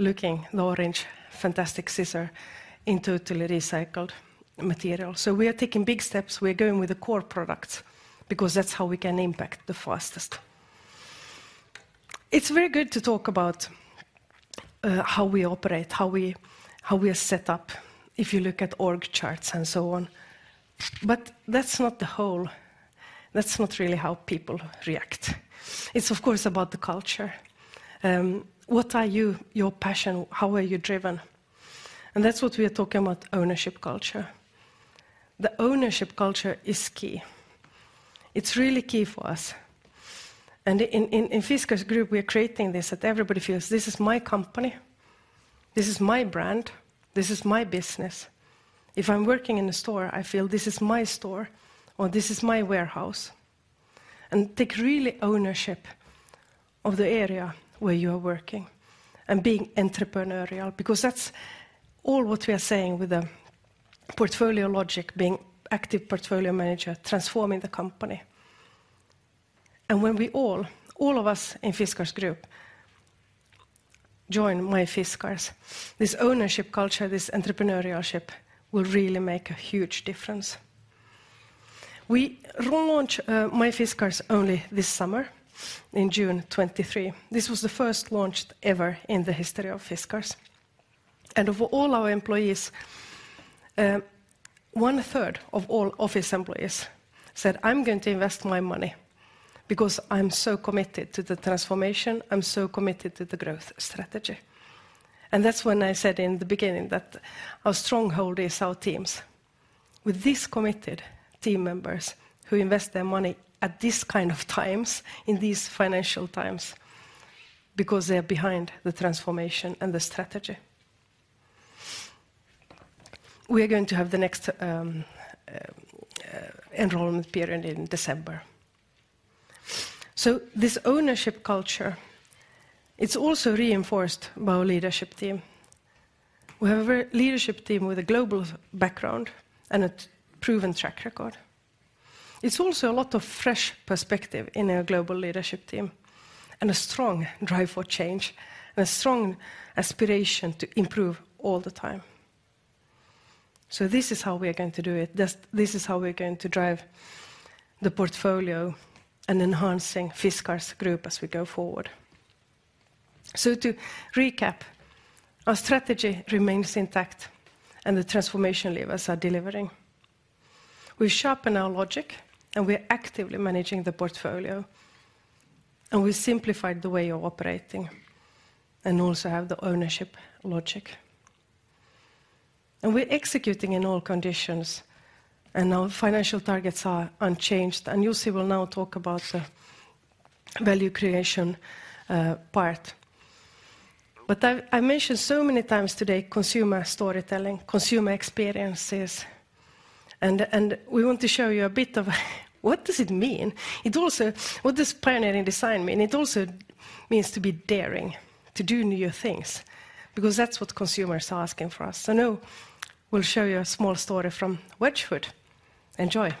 iconic orange, fantastic scissors in totally recycled material. So we are taking big steps. We're going with the core products because that's how we can impact the fastest. It's very good to talk about how we operate, how we are set up, if you look at org charts and so on, but that's not the whole, that's not really how people react. It's of course about the culture. What are you, your passion? How are you driven? And that's what we are talking about, ownership culture. The ownership culture is key. It's really key for us. And in Fiskars Group, we are creating this, that everybody feels, "This is my company. This is my brand. This is my business. If I'm working in a store, I feel this is my store or this is my warehouse." And take really ownership of the area where you are working and being entrepreneurial, because that's all what we are saying with the portfolio logic, being active portfolio manager, transforming the company. When we all, all of us in Fiskars Group, join MyFiskars, this ownership culture, this entrepreneurship, will really make a huge difference. We re-launch MyFiskars only this summer in June 2023. This was the first launch ever in the history of Fiskars. Of all our employees, one third of all office employees said, "I'm going to invest my money because I'm so committed to the transformation. I'm so committed to the growth strategy." And that's when I said in the beginning that our stronghold is our teams. With these committed team members who invest their money at this kind of times, in these financial times, because they are behind the transformation and the strategy. We are going to have the next enrollment period in December. This ownership culture, it's also reinforced by our leadership team. We have a leadership team with a global background and a proven track record. It's also a lot of fresh perspective in our global leadership team, and a strong drive for change, and a strong aspiration to improve all the time. So this is how we are going to do it. This, this is how we're going to drive the portfolio and enhancing Fiskars Group as we go forward. So to recap, our strategy remains intact and the transformation levers are delivering. We sharpen our logic, and we're actively managing the portfolio, and we simplified the way of operating, and also have the ownership logic. And we're executing in all conditions, and our financial targets are unchanged. And Jussi will now talk about the value creation part. But I, I mentioned so many times today consumer storytelling, consumer experiences, and, and we want to show you a bit of... What does it mean? It also, what does pioneering design mean? It also means to be daring, to do new things, because that's what consumers are asking for us. So now we'll show you a small story from Wedgwood. Enjoy.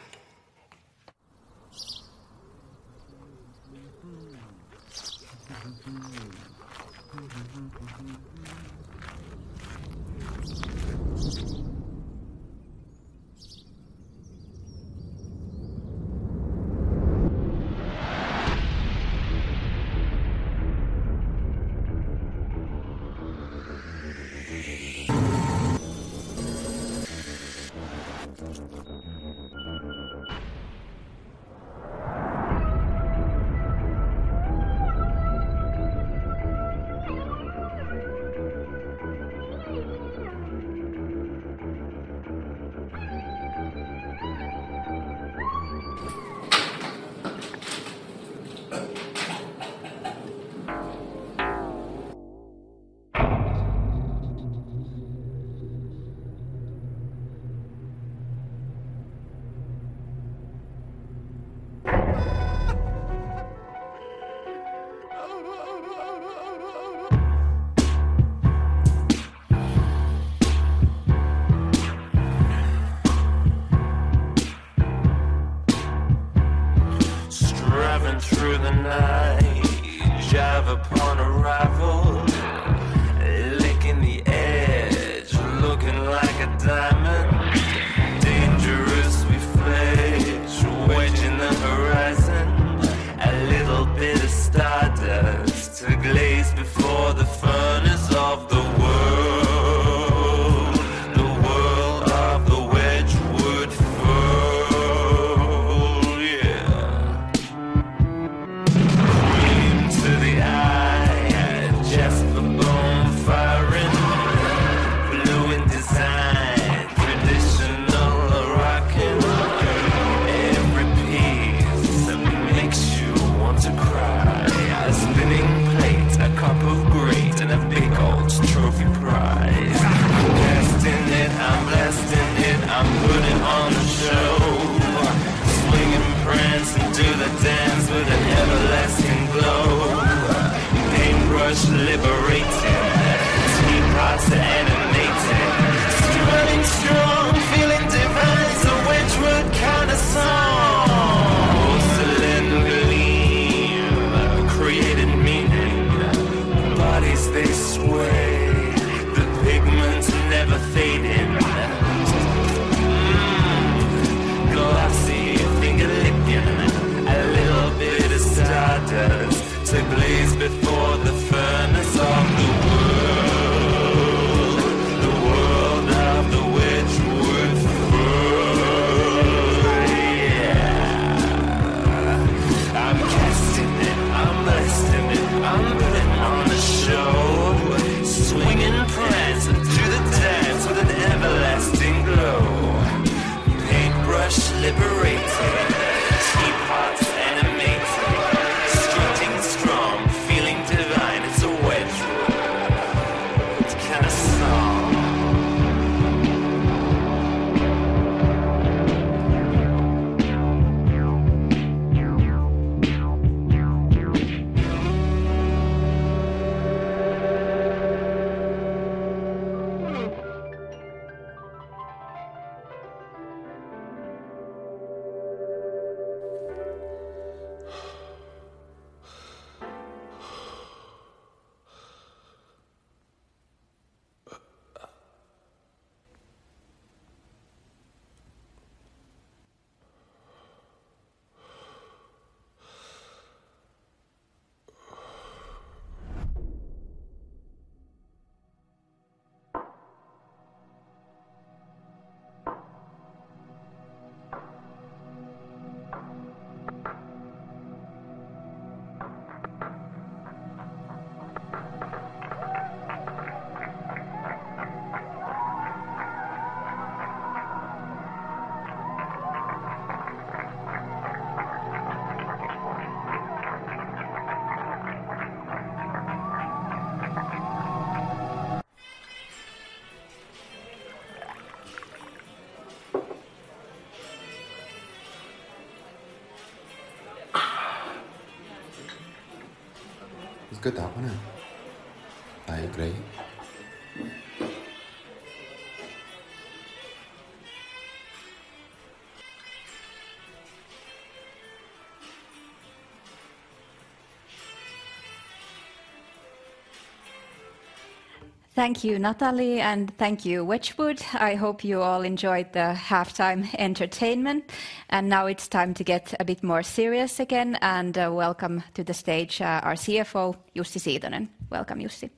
Thank you, Nathalie, and thank you, Wedgwood. I hope you all enjoyed the halftime entertainment, and now it's time to get a bit more serious again, and welcome to the stage, our CFO, Jussi Siitonen. Welcome, Jussi.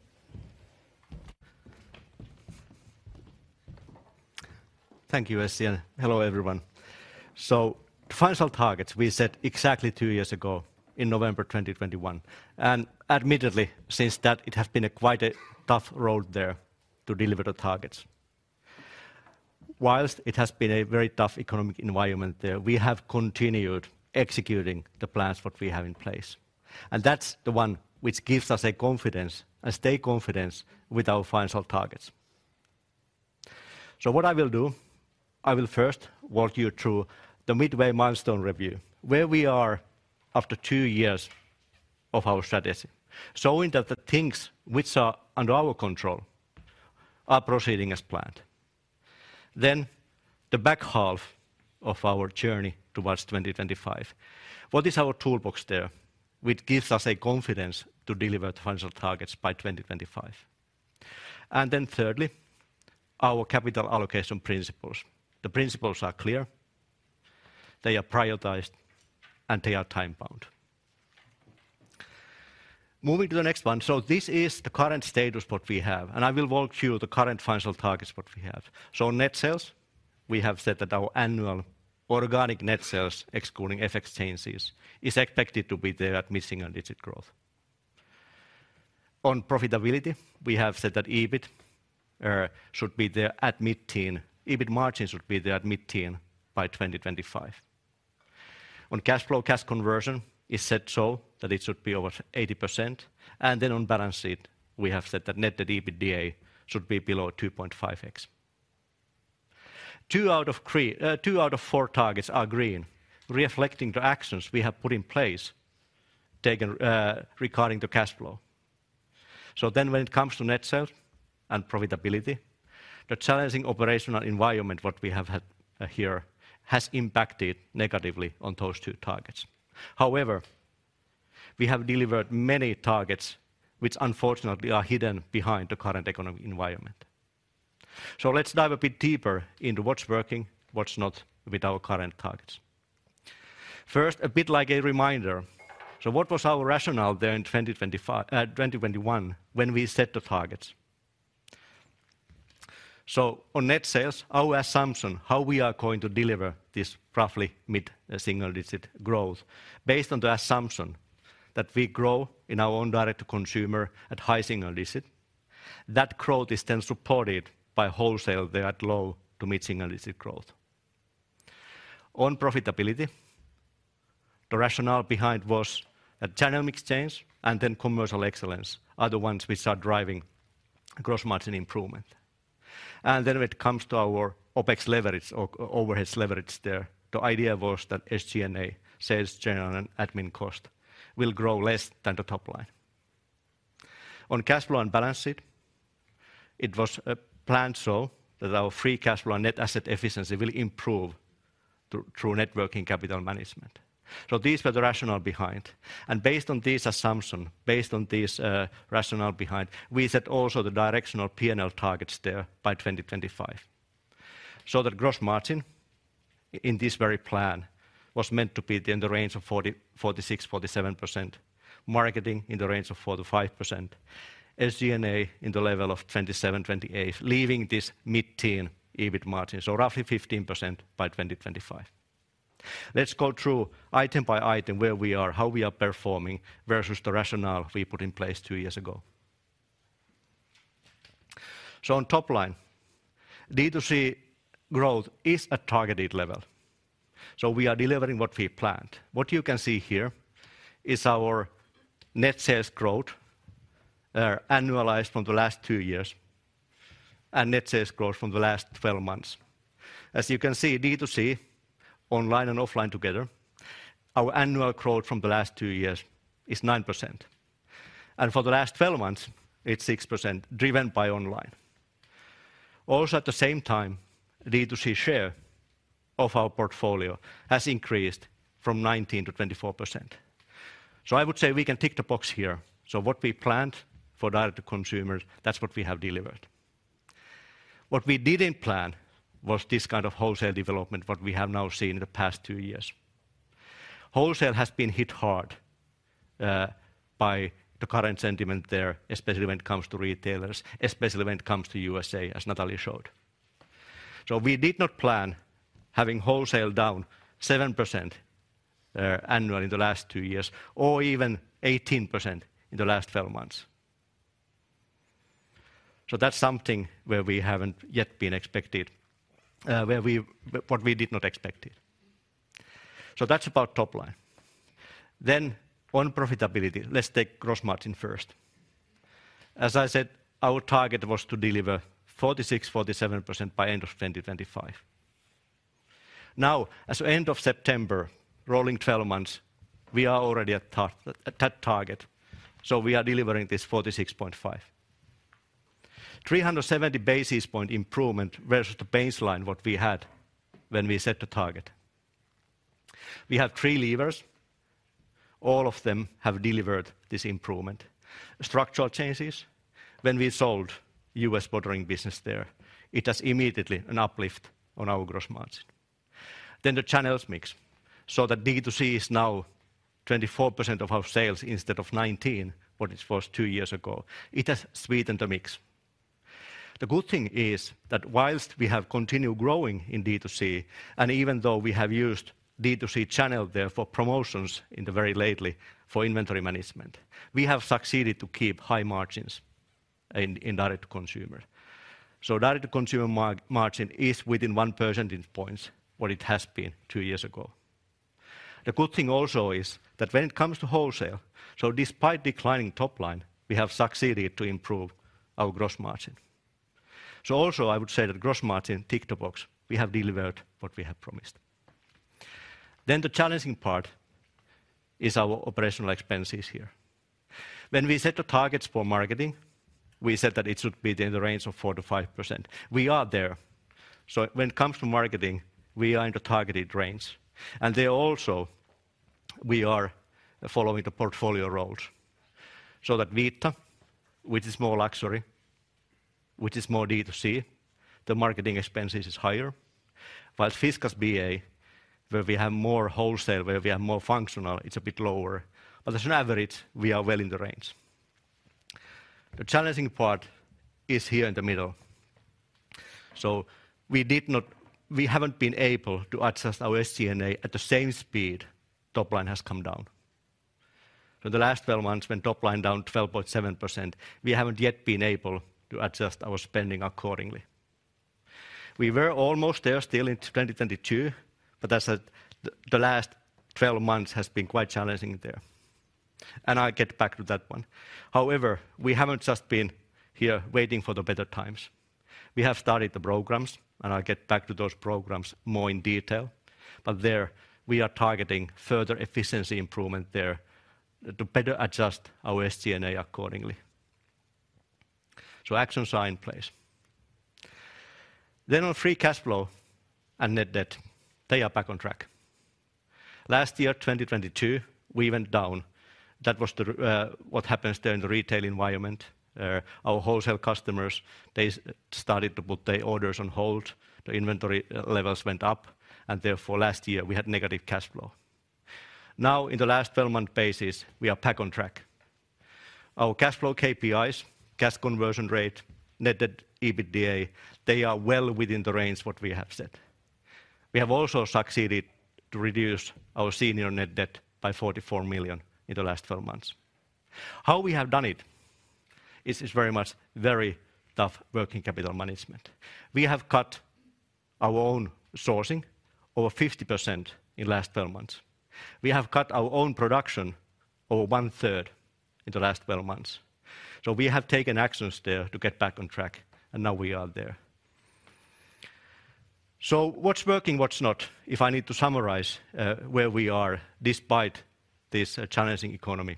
Thank you, Essi, and hello, everyone. So financial targets we set exactly two years ago in November 2021, and admittedly, since that, it has been quite a tough road there to deliver the targets. Whilst it has been a very tough economic environment there, we have continued executing the plans what we have in place, and that's the one which gives us a confidence, a stay confidence with our financial targets. So what I will do, I will first walk you through the midway milestone review, where we are after two years of our strategy, showing that the things which are under our control are proceeding as planned. Then, the back half of our journey towards 2025. What is our toolbox there, which gives us a confidence to deliver the financial targets by 2025? And then thirdly, our capital allocation principles. The principles are clear, they are prioritized, and they are time-bound. Moving to the next one. So this is the current status what we have, and I will walk you through the current financial targets what we have. So net sales, we have said that our annual organic net sales, excluding FX changes, is expected to be there at mid-single digit growth. On profitability, we have said that EBIT should be there at mid-teens. EBIT margins should be there at mid-teens by 2025. On cash flow, cash conversion, it said so that it should be over 80%, and then on balance sheet, we have said that net debt to EBITDA should be below 2.5x. Two out of three, two out of four targets are green, reflecting the actions we have put in place, taken, regarding the cash flow. So then when it comes to net sales and profitability, the challenging operational environment what we have had here has impacted negatively on those two targets. However, we have delivered many targets which unfortunately are hidden behind the current economic environment. So let's dive a bit deeper into what's working, what's not, with our current targets. First, a bit like a reminder. So what was our rationale there in 2025, 2021 when we set the targets? So on net sales, our assumption, how we are going to deliver this roughly mid single-digit growth, based on the assumption that we grow in our own direct consumer at high single-digit. That growth is then supported by wholesale there at low to mid single-digit growth. On profitability, the rationale behind was a channel mix change and then commercial excellence are the ones which are driving gross margin improvement. When it comes to our OpEx leverage or overheads leverage there, the idea was that SG&A, sales, general, and admin cost, will grow less than the top line. On cash flow and balance sheet, it was planned so that our free cash flow and net asset efficiency will improve through net working capital management. These were the rationale behind, and based on this assumption, based on this, rationale behind, we set also the directional P&L targets there by 2025. The gross margin in this very plan was meant to be in the range of 40%-47%, marketing in the range of 4%-5%, SG&A in the level of 27-28, leaving this mid-teen EBIT margin, so roughly 15% by 2025. Let's go through item by item, where we are, how we are performing versus the rationale we put in place two years ago. On top line, D2C growth is at targeted level, so we are delivering what we planned. What you can see here is our net sales growth, annualized from the last two years, and net sales growth from the last 12 months. As you can see, D2C, online and offline together, our annual growth from the last two years is 9%, and for the last 12 months, it's 6%, driven by online. Also, at the same time, D2C share of our portfolio has increased from 19%-24%. So I would say we can tick the box here. So what we planned for direct to consumers, that's what we have delivered. What we didn't plan was this kind of wholesale development, what we have now seen in the past two years. Wholesale has been hit hard by the current sentiment there, especially when it comes to retailers, especially when it comes to the U.S., as Nathalie showed. So we did not plan having wholesale down 7% annually in the last two years or even 18% in the last 12 months. So that's something where we haven't yet expected, what we did not expect. So that's about top line. Then on profitability, let's take gross margin first. As I said, our target was to deliver 46%-47% by end of 2025. Now, as of end of September, rolling 12 months, we are already at that target, so we are delivering this 46.5%. 370 basis points improvement versus the baseline, what we had when we set the target. We have three levers. All of them have delivered this improvement. Structural changes. When we sold U.S. bordering business there, it has immediately an uplift on our gross margin. Then the channels mix, so the D2C is now 24% of our sales instead of 19%, what it was two years ago. It has sweetened the mix. The good thing is that while we have continued growing in D2C, and even though we have used D2C channel there for promotions in the very lately for inventory management, we have succeeded to keep high margins in direct to consumer. So direct to consumer margin is within one percentage points of what it has been two years ago. The good thing also is that when it comes to wholesale, so despite declining top line, we have succeeded to improve our gross margin. So also, I would say that gross margin, tick the box, we have delivered what we have promised. Then the challenging part is our operational expenses here. When we set the targets for marketing, we said that it should be in the range of 4%-5%. We are there. So when it comes to marketing, we are in the targeted range, and there also, we are following the portfolio roles. So that Vita, which is more luxury, which is more D2C, the marketing expenses is higher, while Fiskars BA, where we have more wholesale, where we have more functional, it's a bit lower. But as an average, we are well in the range. The challenging part is here in the middle. So we did not, we haven't been able to adjust our SG&A at the same speed top line has come down. For the last 12 months, when top line down 12.7%, we haven't yet been able to adjust our spending accordingly. We were almost there still in 2022, but as I said, the last 12 months has been quite challenging there. And I'll get back to that one. However, we haven't just been here waiting for the better times. We have started the programs, and I'll get back to those programs more in detail, but there, we are targeting further efficiency improvement there to better adjust our SG&A accordingly. So actions are in place. Then on free cash flow and net debt, they are back on track. Last year, 2022, we went down. That was what happens there in the retail environment. Our wholesale customers, they started to put their orders on hold, the inventory levels went up, and therefore, last year, we had negative cash flow. Now, in the last 12-month basis, we are back on track. Our cash flow KPIs, cash conversion rate, net debt EBITDA, they are well within the range what we have set. We have also succeeded to reduce our senior net debt by 44 million in the last 12 months. How we have done it is very much very tough working capital management. We have cut our own sourcing over 50% in last 12 months. We have cut our own production over one third in the last 12 months. So we have taken actions there to get back on track, and now we are there. So what's working, what's not? If I need to summarize, where we are despite this challenging economy,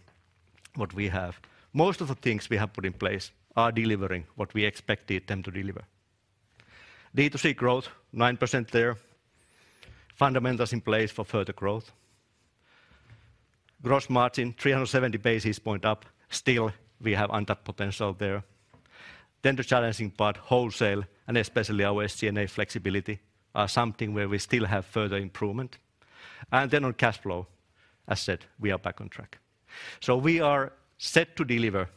what we have. Most of the things we have put in place are delivering what we expected them to deliver. D2C growth, 9% there, fundamentals in place for further growth. Gross margin, 370 basis points up, still we have untapped potential there. Then the challenging part, wholesale, and especially our SG&A flexibility, are something where we still have further improvement. Then on cash flow, as said, we are back on track. We are set to deliver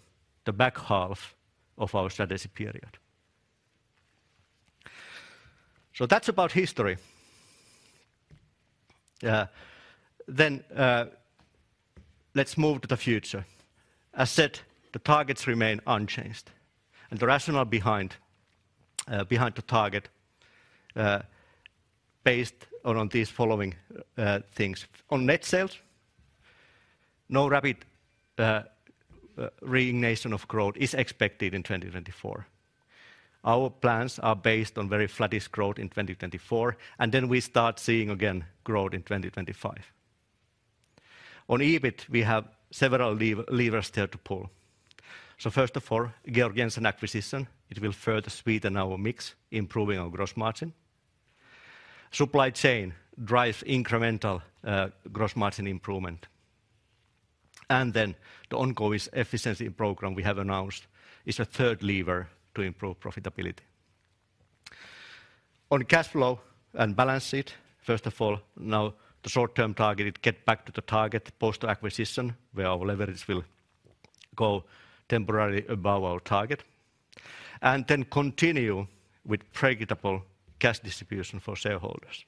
the back half of our strategy period. That's about history. Then let's move to the future. As said, the targets remain unchanged, and the rationale behind the target based on these following things. On net sales, no rapid reignition of growth is expected in 2024. Our plans are based on very flattish growth in 2024, and then we start seeing again growth in 2025. On EBIT, we have several levers there to pull. First of all, Georg Jensen acquisition, it will further sweeten our mix, improving our gross margin. Supply chain drives incremental gross margin improvement. And then the ongoing efficiency program we have announced is a third lever to improve profitability. On cash flow and balance sheet, first of all, now the short-term target, it get back to the target post-acquisition, where our leverage will go temporarily above our target, and then continue with predictable cash distribution for shareholders.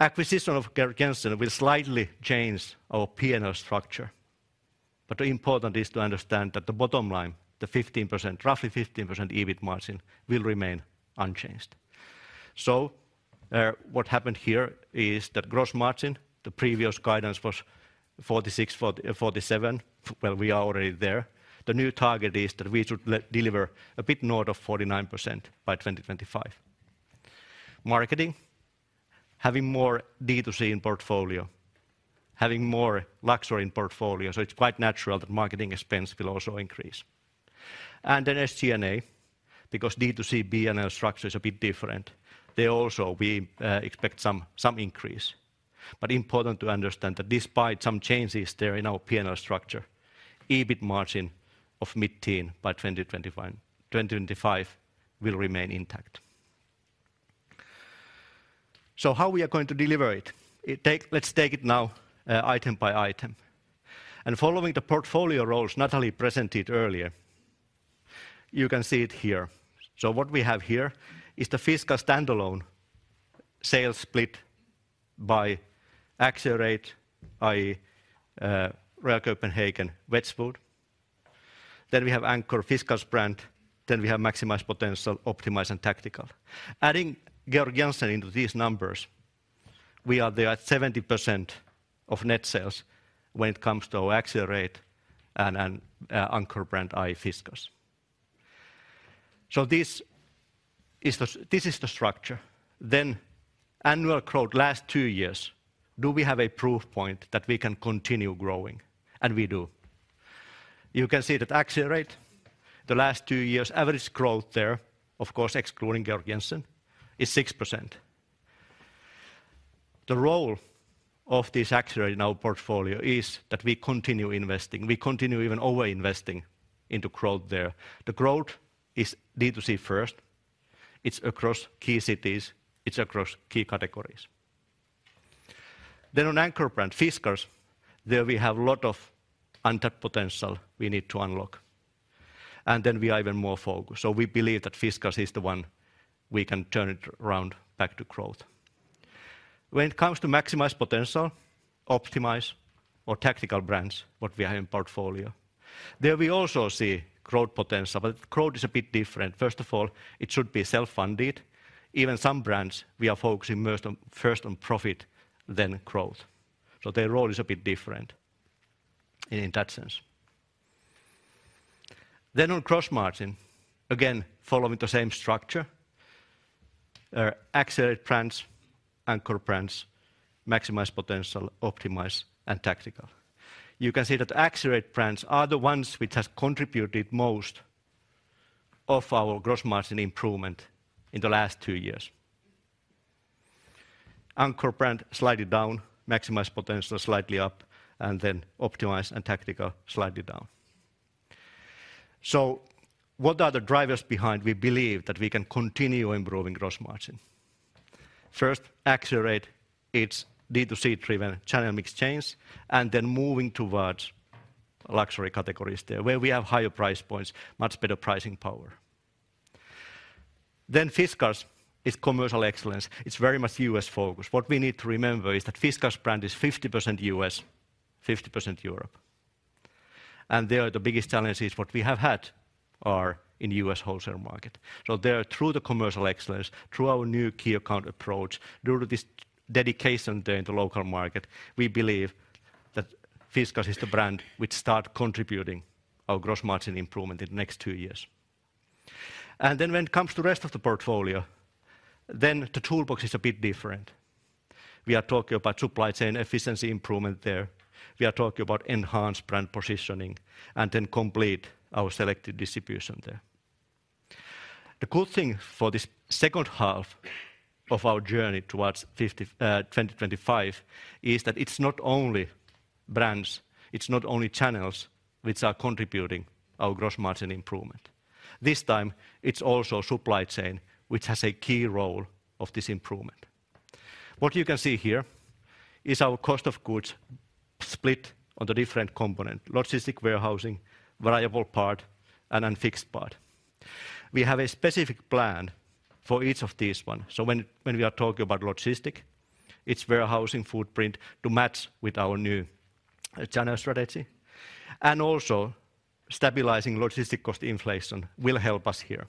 Acquisition of Georg Jensen will slightly change our P&L structure, but important is to understand that the bottom line, the 15%, roughly 15% EBIT margin, will remain unchanged. So, what happened here is that gross margin, the previous guidance was 46, 40, 47. Well, we are already there. The new target is that we should deliver a bit north of 49% by 2025. Marketing, having more D2C in portfolio, having more luxury in portfolio, so it's quite natural that marketing expense will also increase. Then SG&A, because D2C P&L structure is a bit different, there also we expect some increase. But important to understand that despite some changes there in our P&L structure, EBIT margin of mid-teens by 2021-2025 will remain intact. So how we are going to deliver it? Let's take it now, item by item. Following the portfolio roles Nathalie presented earlier, you can see it here. So what we have here is the Fiskars standalone sales split by Accelerate, i.e., Royal Copenhagen, Wedgwood. Then we have Anchor Fiskars brand, then we have maximize potential, optimize and tactical. Adding Georg Jensen into these numbers, we are there at 70% of net sales when it comes to Accelerate and anchor brand, i.e., Fiskars. So this is the structure. Annual growth last two years, do we have a proof point that we can continue growing? And we do. You can see that Accelerate, the last two years, average growth there, of course, excluding Georg Jensen, is 6%. The role of this Accelerate in our portfolio is that we continue investing, we continue even over-investing into growth there. The growth is D2C first, it's across key cities, it's across key categories. Then on anchor brand, Fiskars, there we have a lot of untapped potential we need to unlock. And then we are even more focused, so we believe that Fiskars is the one we can turn it around back to growth. When it comes to maximize potential, optimize or Tactical brands, what we have in portfolio, there we also see growth potential, but growth is a bit different. First of all, it should be self-funded. Even some brands, we are focusing most on, first on profit, then growth. So their role is a bit different in, in that sense. Then on gross margin, again, following the same structure, accelerate brands, anchor brands, maximize potential, optimize and tactical. You can see that accelerate brands are the ones which has contributed most of our gross margin improvement in the last two years. Anchor brand, slightly down, maximize potential, slightly up, and then optimize and tactical, slightly down. So what are the drivers behind we believe that we can continue improving gross margin? First, accelerate its D2C-driven channel mix change, and then moving towards luxury categories there, where we have higher price points, much better pricing power. Then Fiskars is commercial excellence. It's very much U.S.-focused. What we need to remember is that Fiskars brand is 50% U.S., 50% Europe, and there the biggest challenges what we have had are in the U.S. wholesale market. So there, through the commercial excellence, through our new key account approach, due to this dedication there in the local market, we believe that Fiskars is the brand which start contributing our gross margin improvement in the next two years. And then when it comes to rest of the portfolio, then the toolbox is a bit different. We are talking about supply chain efficiency improvement there. We are talking about enhanced brand positioning, and then complete our selected distribution there. The good thing for this second half of our journey towards 50, twenty twenty-five, is that it's not only brands, it's not only channels which are contributing our gross margin improvement. This time, it's also supply chain, which has a key role in this improvement. What you can see here is our cost of goods split into the different components: logistics, warehousing, variable part, and then fixed part. We have a specific plan for each of these ones. So when we are talking about logistics, it's warehousing footprint to match with our new channel strategy, and also stabilizing logistics cost inflation will help us here.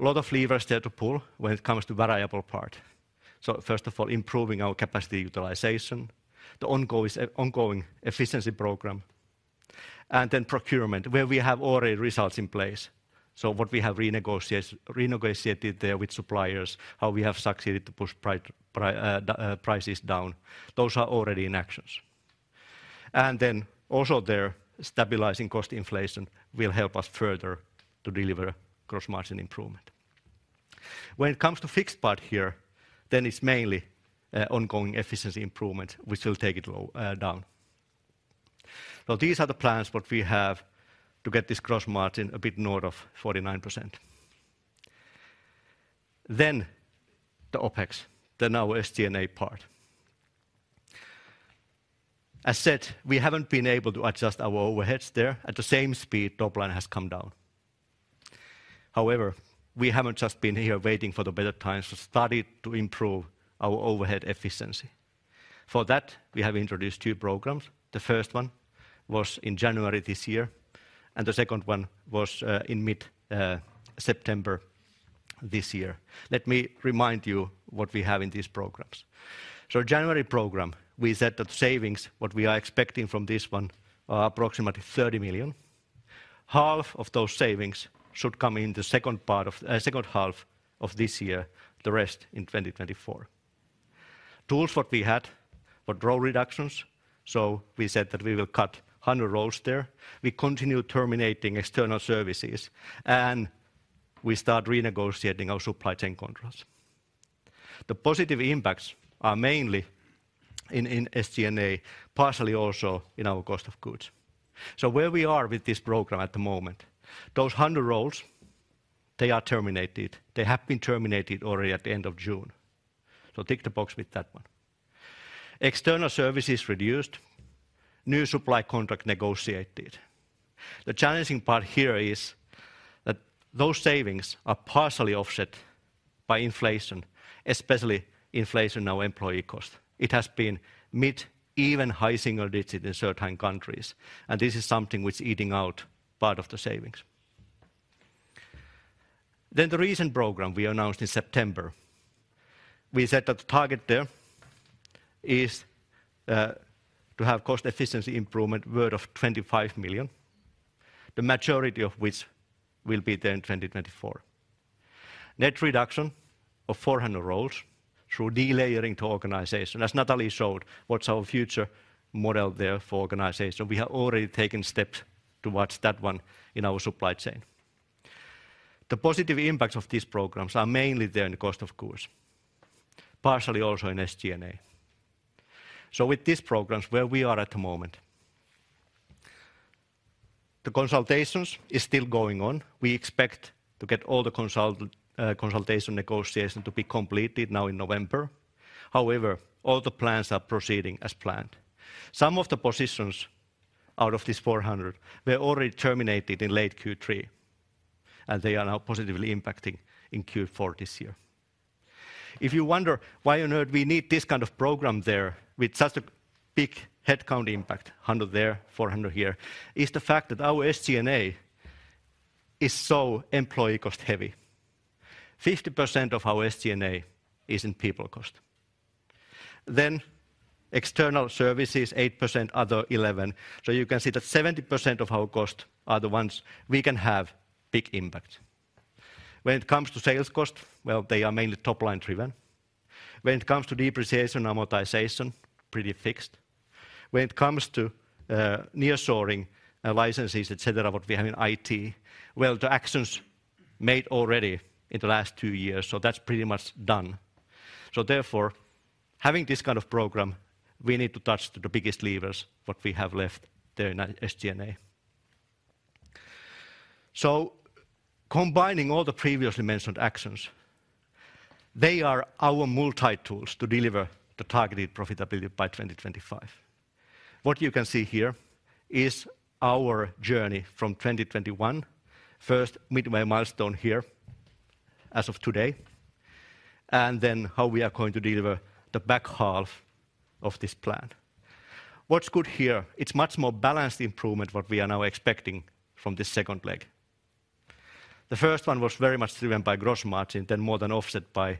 A lot of levers there to pull when it comes to variable part. So first of all, improving our capacity utilization, the ongoing efficiency program, and then procurement, where we have already results in place. So what we have renegotiated there with suppliers, how we have succeeded to push prices down, those are already in action. Then also there, stabilizing cost inflation will help us further to deliver gross margin improvement. When it comes to fixed part here, then it's mainly ongoing efficiency improvement, which will take it down. So these are the plans what we have to get this gross margin a bit north of 49%. Then the OpEx, then our SG&A part. As said, we haven't been able to adjust our overheads there at the same speed top line has come down. However, we haven't just been here waiting for the better times to start to improve our overhead efficiency. For that, we have introduced two programs. The first one was in January this year, and the second one was in mid-September this year. Let me remind you what we have in these programs. So January program, we said that savings, what we are expecting from this one, are approximately 30 million. Half of those savings should come in the second part of, second half of this year, the rest in 2024. Tools what we had were role reductions, so we said that we will cut 100 roles there. We continue terminating external services, and we start renegotiating our supply chain contracts. The positive impacts are mainly in, in SG&A, partially also in our cost of goods. So where we are with this program at the moment, those 100 roles, they are terminated. They have been terminated already at the end of June. So tick the box with that one. External services reduced, new supply contract negotiated. The challenging part here is that those savings are partially offset by inflation, especially inflation in our employee cost. It has been mid, even high single digit in certain countries, and this is something which eating out part of the savings. Then the recent program we announced in September, we said that the target there is to have cost efficiency improvement worth 25 million, the majority of which will be there in 2024. Net reduction of 400 roles through delayering the organization. As Nathalie showed, what's our future model there for organization, we have already taken steps towards that one in our supply chain. The positive impacts of these programs are mainly there in the cost of goods, partially also in SG&A. So with these programs, where we are at the moment? The consultations is still going on. We expect to get all the consult, consultation negotiation to be completed now in November. However, all the plans are proceeding as planned. Some of the positions out of this 400 were already terminated in late Q3, and they are now positively impacting in Q4 this year. If you wonder why on earth we need this kind of program there with such a big headcount impact, 100 there, 400 here, is the fact that our SG&A is so employee cost heavy. 50% of our SG&A is in people cost. Then external services, 8%, other 11%. So you can see that 70% of our cost are the ones we can have big impact. When it comes to sales cost, well, they are mainly top-line driven. When it comes to depreciation, amortization, pretty fixed. When it comes to nearshoring, licenses, et cetera, what we have in IT, well, the actions made already in the last two years, so that's pretty much done. So therefore-... Having this kind of program, we need to touch to the biggest levers, what we have left there in SG&A. So combining all the previously mentioned actions, they are our multi-tools to deliver the targeted profitability by 2025. What you can see here is our journey from 2021. First, midway milestone here as of today, and then how we are going to deliver the back half of this plan. What's good here? It's much more balanced improvement what we are now expecting from this second leg. The first one was very much driven by gross margin, then more than offset by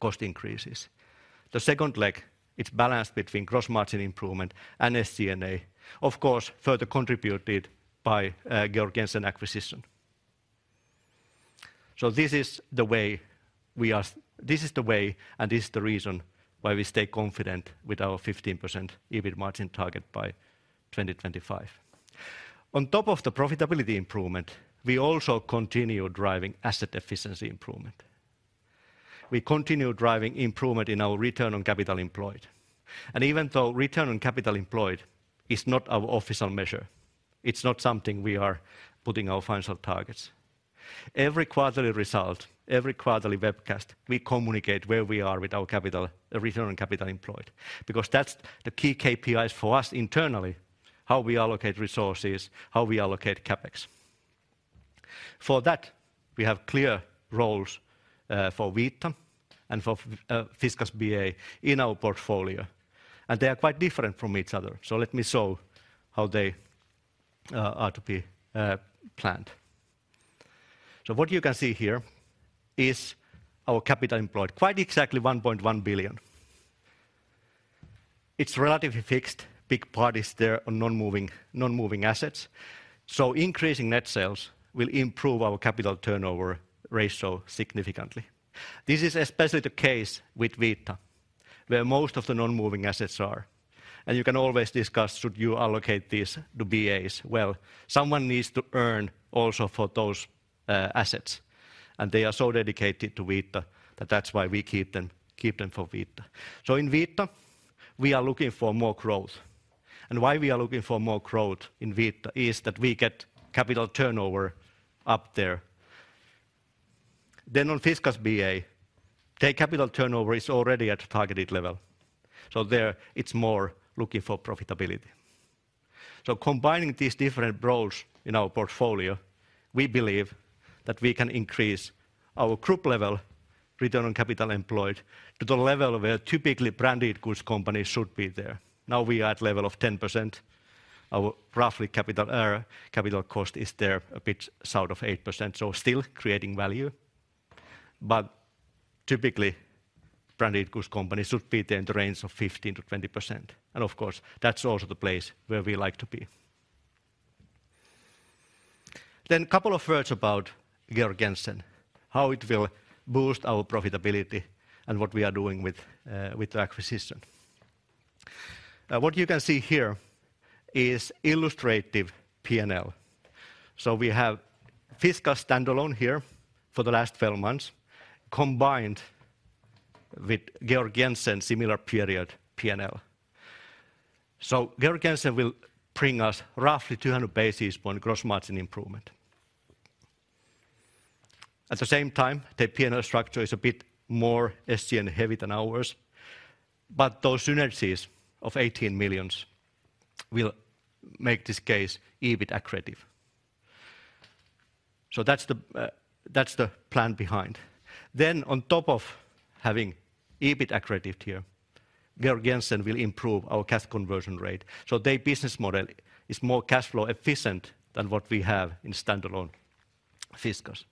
cost increases. The second leg, it's balanced between gross margin improvement and SG&A. Of course, further contributed by Georg Jensen acquisition. So this is the way, and this is the reason why we stay confident with our 15% EBIT margin target by 2025. On top of the profitability improvement, we also continue driving asset efficiency improvement. We continue driving improvement in our return on capital employed. Even though return on capital employed is not our official measure, it's not something we are putting our financial targets. Every quarterly result, every quarterly webcast, we communicate where we are with our capital, return on capital employed, because that's the key KPIs for us internally, how we allocate resources, how we allocate CapEx. For that, we have clear roles for Vita and for Fiskars BA in our portfolio, and they are quite different from each other. So let me show how they are to be planned. So what you can see here is our capital employed, quite exactly 1.1 billion. It's relatively fixed. Big part is there on non-moving, non-moving assets, so increasing net sales will improve our capital turnover ratio significantly. This is especially the case with Vita, where most of the non-moving assets are, and you can always discuss, should you allocate these to BAs? Well, someone needs to earn also for those assets, and they are so dedicated to Vita that that's why we keep them, keep them for Vita. So in Vita, we are looking for more growth. And why we are looking for more growth in Vita is that we get capital turnover up there. Then on Fiskars BA, their capital turnover is already at a targeted level, so there it's more looking for profitability. So combining these different roles in our portfolio, we believe that we can increase our group level return on capital employed to the level where typically branded goods companies should be there. Now, we are at level of 10%. Our roughly capital, capital cost is there a bit south of 8%, so still creating value. But typically, branded goods companies should be in the range of 15%-20%, and of course, that's also the place where we like to be. Then a couple of words about Georg Jensen, how it will boost our profitability and what we are doing with, with the acquisition. What you can see here is illustrative P&L. So we have Fiskars standalone here for the last 12 months, combined with Georg Jensen similar period P&L. So Georg Jensen will bring us roughly 200 basis point gross margin improvement. At the same time, the P&L structure is a bit more SG&A heavy than ours, but those synergies of 18 million will make this case EBIT accretive. So that's the plan behind. Then on top of having EBIT accretive here, Georg Jensen will improve our cash conversion rate, so their business model is more cash flow efficient than what we have in standalone Fiskars.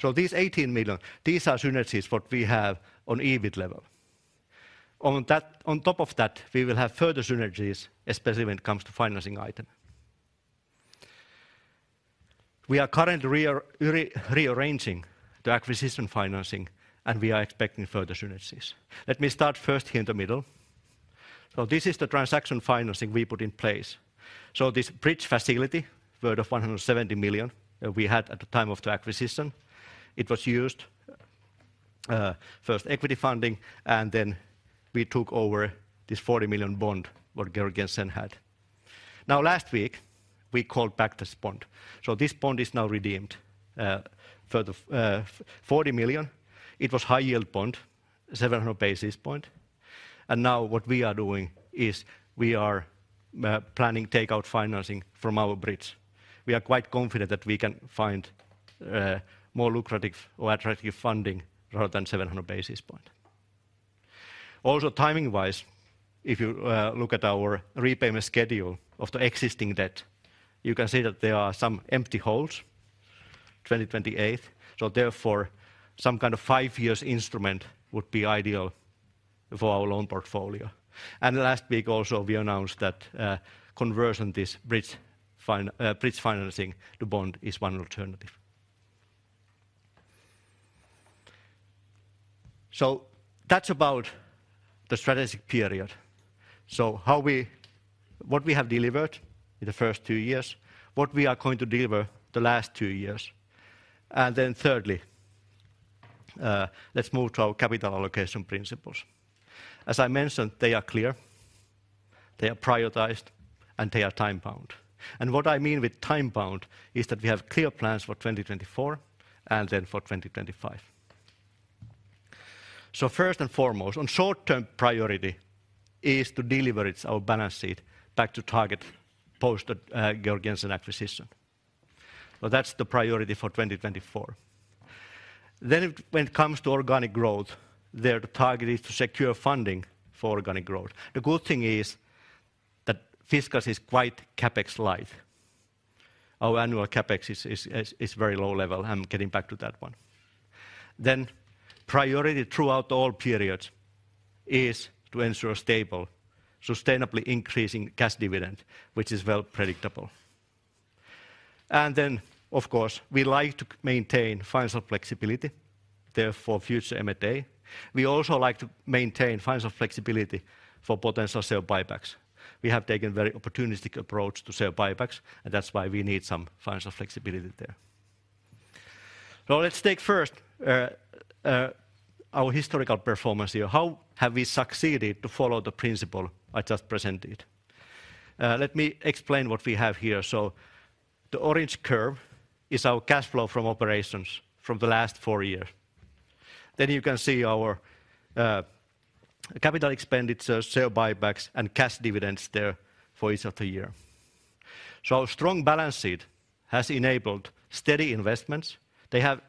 So these 18 million, these are synergies what we have on EBIT level. On top of that, we will have further synergies, especially when it comes to financing item. We are currently rearranging the acquisition financing, and we are expecting further synergies. Let me start first here in the middle. So this is the transaction financing we put in place. So this bridge facility, worth 170 million, that we had at the time of the acquisition, it was used, first equity funding, and then we took over this 40 million bond what Georg Jensen had. Now, last week, we called back this bond. So this bond is now redeemed for the 40 million. It was high-yield bond, 700 basis points, and now what we are doing is we are planning takeout financing from our bridge. We are quite confident that we can find more lucrative or attractive funding rather than 700 basis points. Also, timing-wise, if you look at our repayment schedule of the existing debt, you can see that there are some empty holes, 2028. So therefore, some kind of five years instrument would be ideal for our loan portfolio. Last week also, we announced that conversion of this bridge financing to bond is one alternative. That's about the strategic period. How we, what we have delivered in the first two years, what we are going to deliver the last two years, and then thirdly, let's move to our capital allocation principles. As I mentioned, they are clear, they are prioritized, and they are time-bound. What I mean with time-bound is that we have clear plans for 2024 and then for 2025. First and foremost, the short-term priority is to deliver our balance sheet back to target post the Georg Jensen acquisition. That's the priority for 2024. When it comes to organic growth, there the target is to secure funding for organic growth. The good thing is that Fiskars is quite CapEx light. Our annual CapEx is very low level. I'm getting back to that one. Then priority throughout all periods is to ensure a stable, sustainably increasing cash dividend, which is well predictable. And then, of course, we like to maintain financial flexibility, therefore, future M&A. We also like to maintain financial flexibility for potential share buybacks. We have taken a very opportunistic approach to share buybacks, and that's why we need some financial flexibility there. Now, let's take first our historical performance here. How have we succeeded to follow the principle I just presented? Let me explain what we have here. So the orange curve is our cash flow from operations from the last four years. Then you can see our capital expenditures, share buybacks, and cash dividends there for each of the year. So our strong balance sheet has enabled steady investments. They have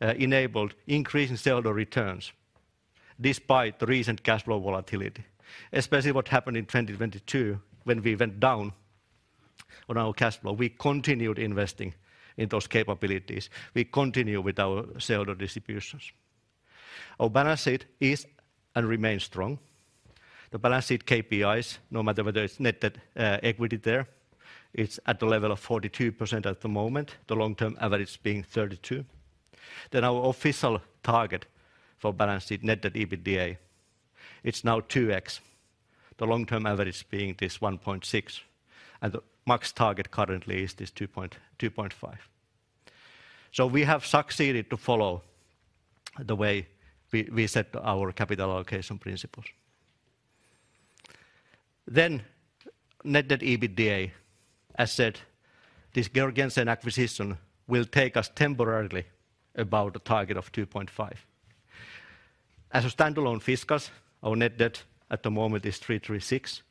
enabled increase in shareholder returns despite the recent cash flow volatility. Especially what happened in 2022 when we went down on our cash flow, we continued investing in those capabilities. We continue with our shareholder distributions. Our balance sheet is and remains strong. The balance sheet KPIs, no matter whether it's net debt, equity there, it's at the level of 42% at the moment, the long-term average being 32%. Then our official target for balance sheet net debt EBITDA, it's now 2x, the long-term average being this 1.6x, and the max target currently is this 2.5x. So we have succeeded to follow the way we, we set our capital allocation principles. Then net debt EBITDA, as said, this Georg Jensen acquisition will take us temporarily above the target of 2.5x. As a standalone Fiskars, our net debt at the moment is 336 million.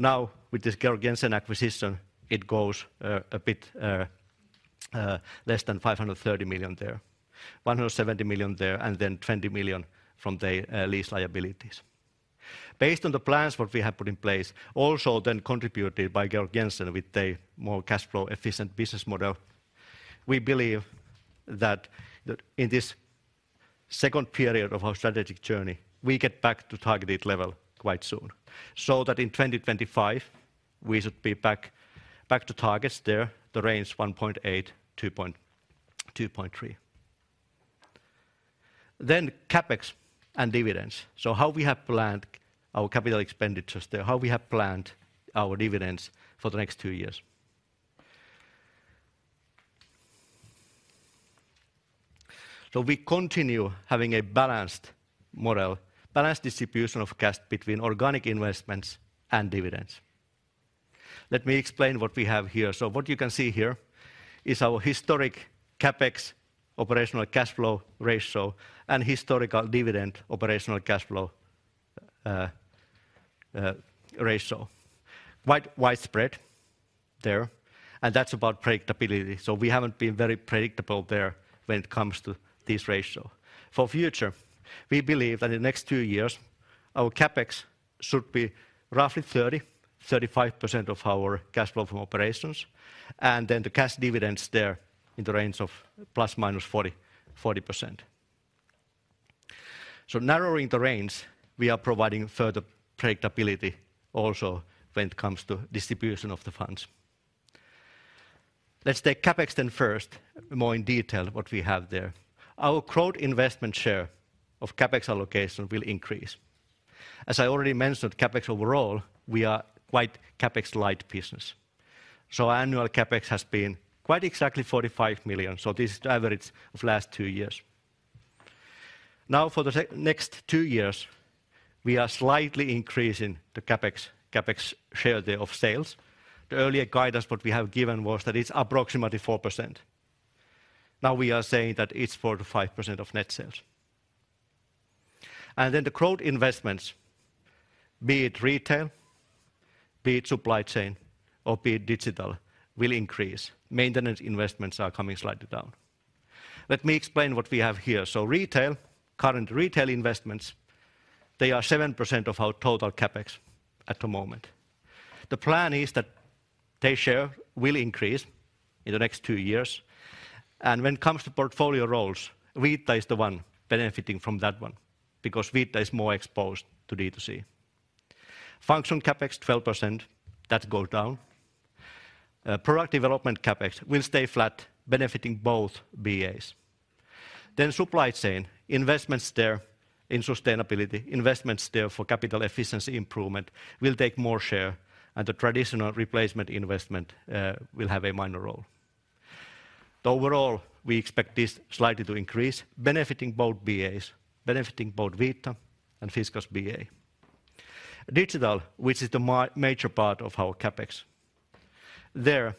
Now, with this Georg Jensen acquisition, it goes, a bit, less than 530 million there. 170 million there, and then 20 million from the, lease liabilities. Based on the plans what we have put in place, also then contributed by Georg Jensen with a more cash flow efficient business model, we believe that, that in this second period of our strategic journey, we get back to targeted level quite soon. So that in 2025, we should be back, back to targets there, the range 1.8-2.3. Then CapEx and dividends. So how we have planned our capital expenditures there, how we have planned our dividends for the next two years. So we continue having a balanced model, balanced distribution of cash between organic investments and dividends. Let me explain what we have here. So what you can see here is our historic CapEx operational cash flow ratio and historical dividend operational cash flow ratio. Quite widespread there, and that's about predictability. So we haven't been very predictable there when it comes to this ratio. For future, we believe that in the next two years, our CapEx should be roughly 30%-35% of our cash flow from operations, and then the cash dividends there in the range of ±40%-40%. So narrowing the range, we are providing further predictability also when it comes to distribution of the funds. Let's take CapEx then first, more in detail, what we have there. Our growth investment share of CapEx allocation will increase. As I already mentioned, CapEx overall, we are quite CapEx-light business. So annual CapEx has been quite exactly 45 million. So this is the average of last two years. Now, for the next two years, we are slightly increasing the CapEx, CapEx share thereof sales. The earlier guidance what we have given was that it's approximately 4%. Now, we are saying that it's 4%-5% of net sales. And then the growth investments, be it retail, be it supply chain, or be it digital, will increase. Maintenance investments are coming slightly down. Let me explain what we have here. So retail, current retail investments, they are 7% of our total CapEx at the moment. The plan is that their share will increase in the next two years, and when it comes to portfolio roles, Vita is the one benefiting from that one because Vita is more exposed to D2C. Functional CapEx, 12%, that go down. Product development CapEx will stay flat, benefiting both BAs. Then supply chain, investments there in sustainability, investments there for capital efficiency improvement will take more share, and the traditional replacement investment will have a minor role. Though overall, we expect this slightly to increase, benefiting both BAs, benefiting both Vita and Fiskars BA. Digital, which is the major part of our CapEx. There,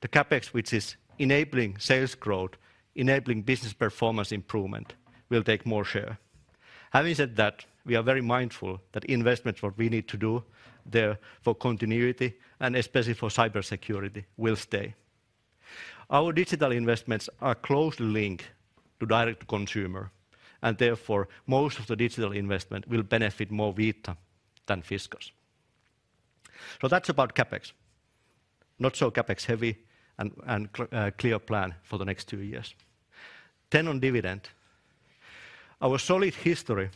the CapEx, which is enabling sales growth, enabling business performance improvement, will take more share. Having said that, we are very mindful that investments, what we need to do there for continuity and especially for cybersecurity, will stay. Our digital investments are closely linked to direct consumer, and therefore, most of the digital investment will benefit more Vita than Fiskars. So that's about CapEx. Not so CapEx heavy and clear plan for the next two years. Then on dividend. Our solid history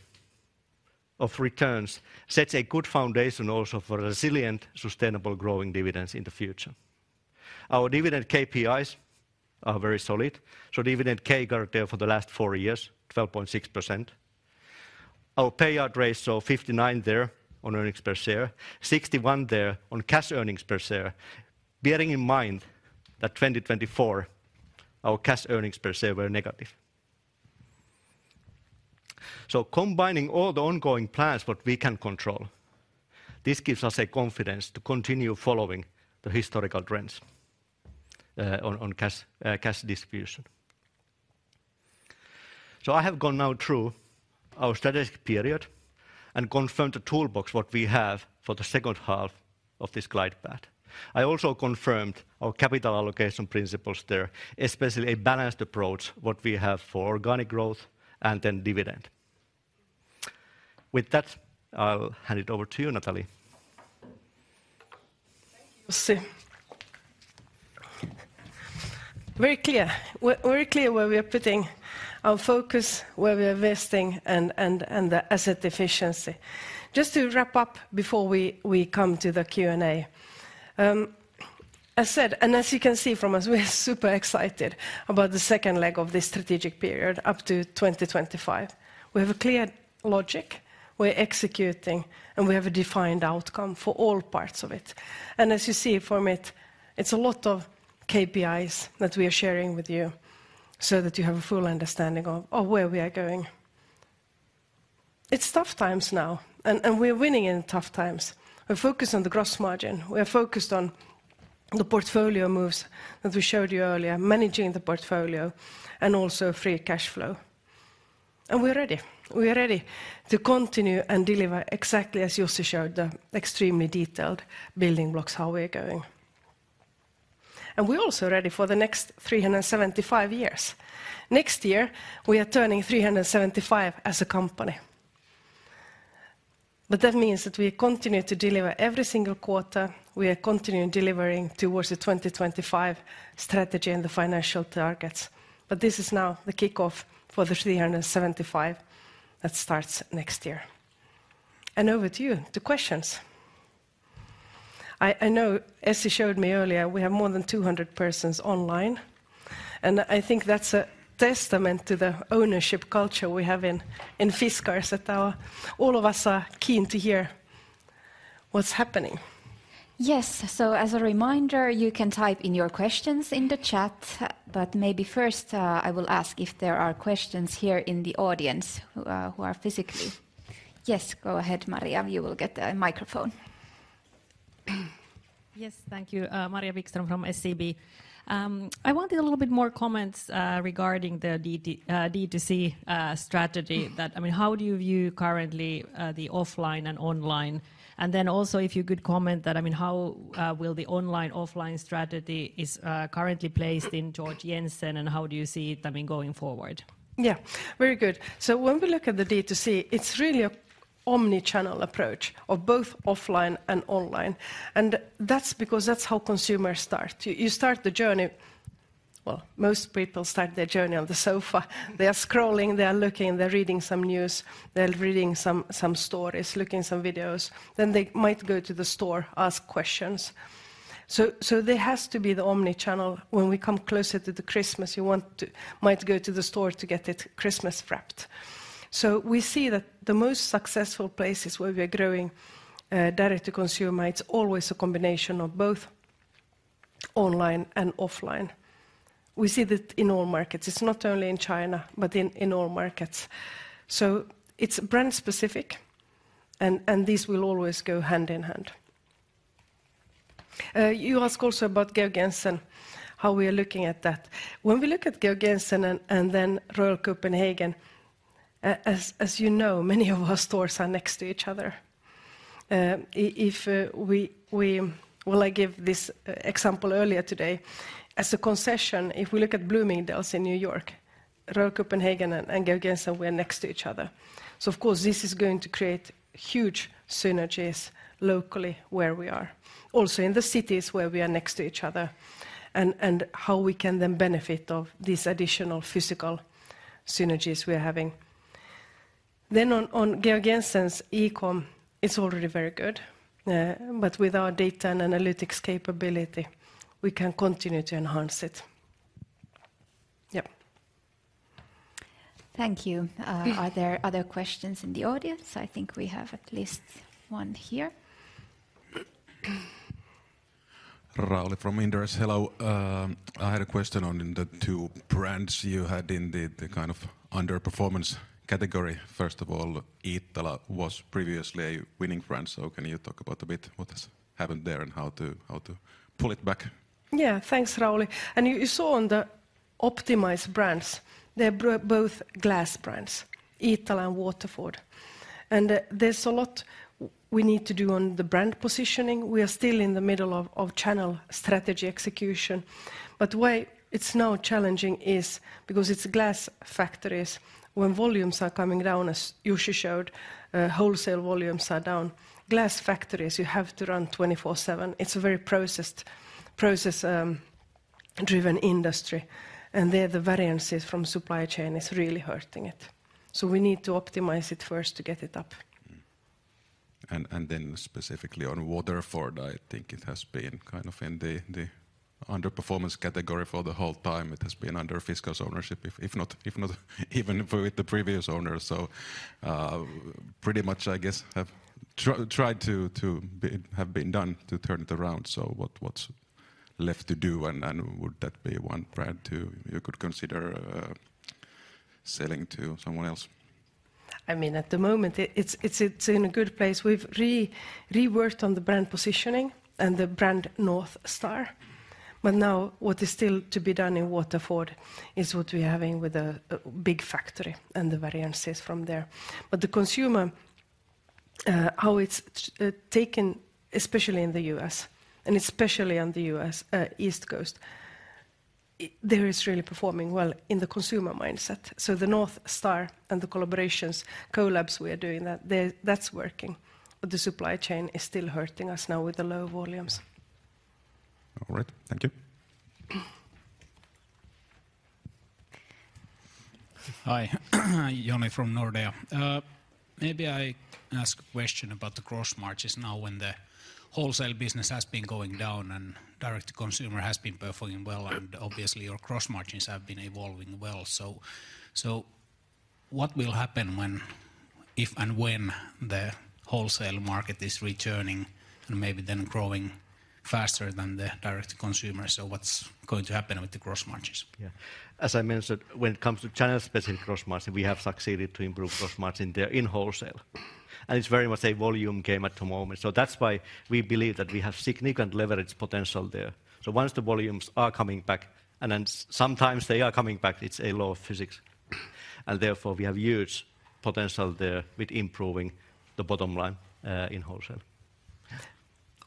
of returns sets a good foundation also for resilient, sustainable growing dividends in the future. Our dividend KPIs are very solid, so dividend CAGR there for the last four years, 12.6%. Our payout ratio, 59% there on earnings per share, 61% there on cash earnings per share, bearing in mind that 2024, our cash earnings per share were negative. So combining all the ongoing plans, what we can control, this gives us a confidence to continue following the historical trends, on cash distribution. So I have gone now through our strategic period and confirmed the toolbox, what we have for the second half of this glide path. I also confirmed our capital allocation principles there, especially a balanced approach, what we have for organic growth and then dividend. With that, I'll hand it over to you, Nathalie. Thank you, Jussi. Very clear. We're very clear where we are putting our focus, where we are investing, and the asset efficiency. Just to wrap up before we come to the Q&A. As said, and as you can see from us, we're super excited about the second leg of this strategic period up to 2025. We have a clear logic, we're executing, and we have a defined outcome for all parts of it. And as you see from it, it's a lot of KPIs that we are sharing with you so that you have a full understanding of where we are going. It's tough times now, and we're winning in tough times. We're focused on the gross margin. We are focused on the portfolio moves that we showed you earlier, managing the portfolio, and also free cash flow. And we're ready. We are ready to continue and deliver exactly as Jussi showed, the extremely detailed building blocks, how we're going. We're also ready for the next 375 years. Next year, we are turning 375 as a company. But that means that we continue to deliver every single quarter, we are continuing delivering towards the 2025 strategy and the financial targets. But this is now the kickoff for the 375 that starts next year. Over to you, to questions. I know, as he showed me earlier, we have more than 200 persons online, and I think that's a testament to the ownership culture we have in Fiskars, that all of us are keen to hear what's happening. Yes, so as a reminder, you can type in your questions in the chat, but maybe first, I will ask if there are questions here in the audience, who are physically... Yes, go ahead, Maria. You will get a microphone. Yes, thank you. Maria Wikström from SEB. I wanted a little bit more comments regarding the D2C strategy, that... I mean, how do you view currently the offline and online? And then also, if you could comment that, I mean, how will the online, offline strategy is currently placed in Georg Jensen, and how do you see it, I mean, going forward? Yeah, very good. So when we look at the D2C, it's really a omni-channel approach of both offline and online, and that's because that's how consumers start. You, you start the journey... Well, most people start their journey on the sofa. They are scrolling, they are looking, they're reading some news, they're reading some, some stories, looking some videos. Then they might go to the store, ask questions. So, so there has to be the omni-channel. When we come closer to the Christmas, you want to-- might go to the store to get it Christmas wrapped. So we see that the most successful places where we are growing direct to consumer, it's always a combination of both online and offline. We see that in all markets. It's not only in China, but in, in all markets. So it's brand specific, and, and these will always go hand in hand. You ask also about Georg Jensen, how we are looking at that. When we look at Georg Jensen and then Royal Copenhagen, as you know, many of our stores are next to each other. Well, I gave this example earlier today. As a concession, if we look at Bloomingdale's in New York, Royal Copenhagen and Georg Jensen we're next to each other. So of course, this is going to create huge synergies locally where we are, also in the cities where we are next to each other, and how we can then benefit of these additional physical synergies we are having. Then on Georg Jensen's e-com, it's already very good. But with our data and analytics capability, we can continue to enhance it. Yep. Thank you. Are there other questions in the audience? I think we have at least one here. Rauli from Inderes. Hello. I had a question on the two brands you had in the kind of underperformance category. First of all, Iittala was previously a winning brand, so can you talk about a bit what has happened there, and how to pull it back? Yeah. Thanks, Rauli. You saw on the optimized brands, they're both glass brands, Iittala and Waterford. There's a lot we need to do on the brand positioning. We are still in the middle of channel strategy execution. But why it's now challenging is because it's glass factories. When volumes are coming down, as Jussi showed, wholesale volumes are down, glass factories, you have to run 24/7. It's a very process-driven industry, and the variances from supply chain is really hurting it. So we need to optimize it first to get it up. Mm-hmm. And then specifically on Waterford, I think it has been kind of in the underperformance category for the whole time it has been under Fiskars' ownership, if not, if not even with the previous owner. Pretty much, I guess, have tried to be-- have been done to turn it around. What, what's left to do, and would that be one brand to... you could consider selling to someone else? I mean, at the moment, it's in a good place. We've reworked on the brand positioning and the brand North Star. But now, what is still to be done in Waterford is what we're having with the big factory and the variances from there. But the consumer, how it's taken, especially in the U.S. and especially on the U.S. East Coast, there, it's really performing well in the consumer mindset. So the North Star and the collaborations, collabs we are doing, that's working, but the supply chain is still hurting us now with the low volumes. All right. Thank you. Hi, Joni from Nordea. Maybe I ask a question about the gross margins now when the wholesale business has been going down and direct to consumer has been performing well, and obviously, your gross margins have been evolving well. So, what will happen when, if and when, the wholesale market is returning and maybe then growing faster than the direct to consumer? So what's going to happen with the gross margins? Yeah. As I mentioned, when it comes to channel-specific gross margin, we have succeeded to improve gross margin there in wholesale. And it's very much a volume game at the moment. So that's why we believe that we have significant leverage potential there. So once the volumes are coming back, and then sometimes they are coming back, it's a law of physics, and therefore, we have huge potential there with improving the bottom line, in wholesale.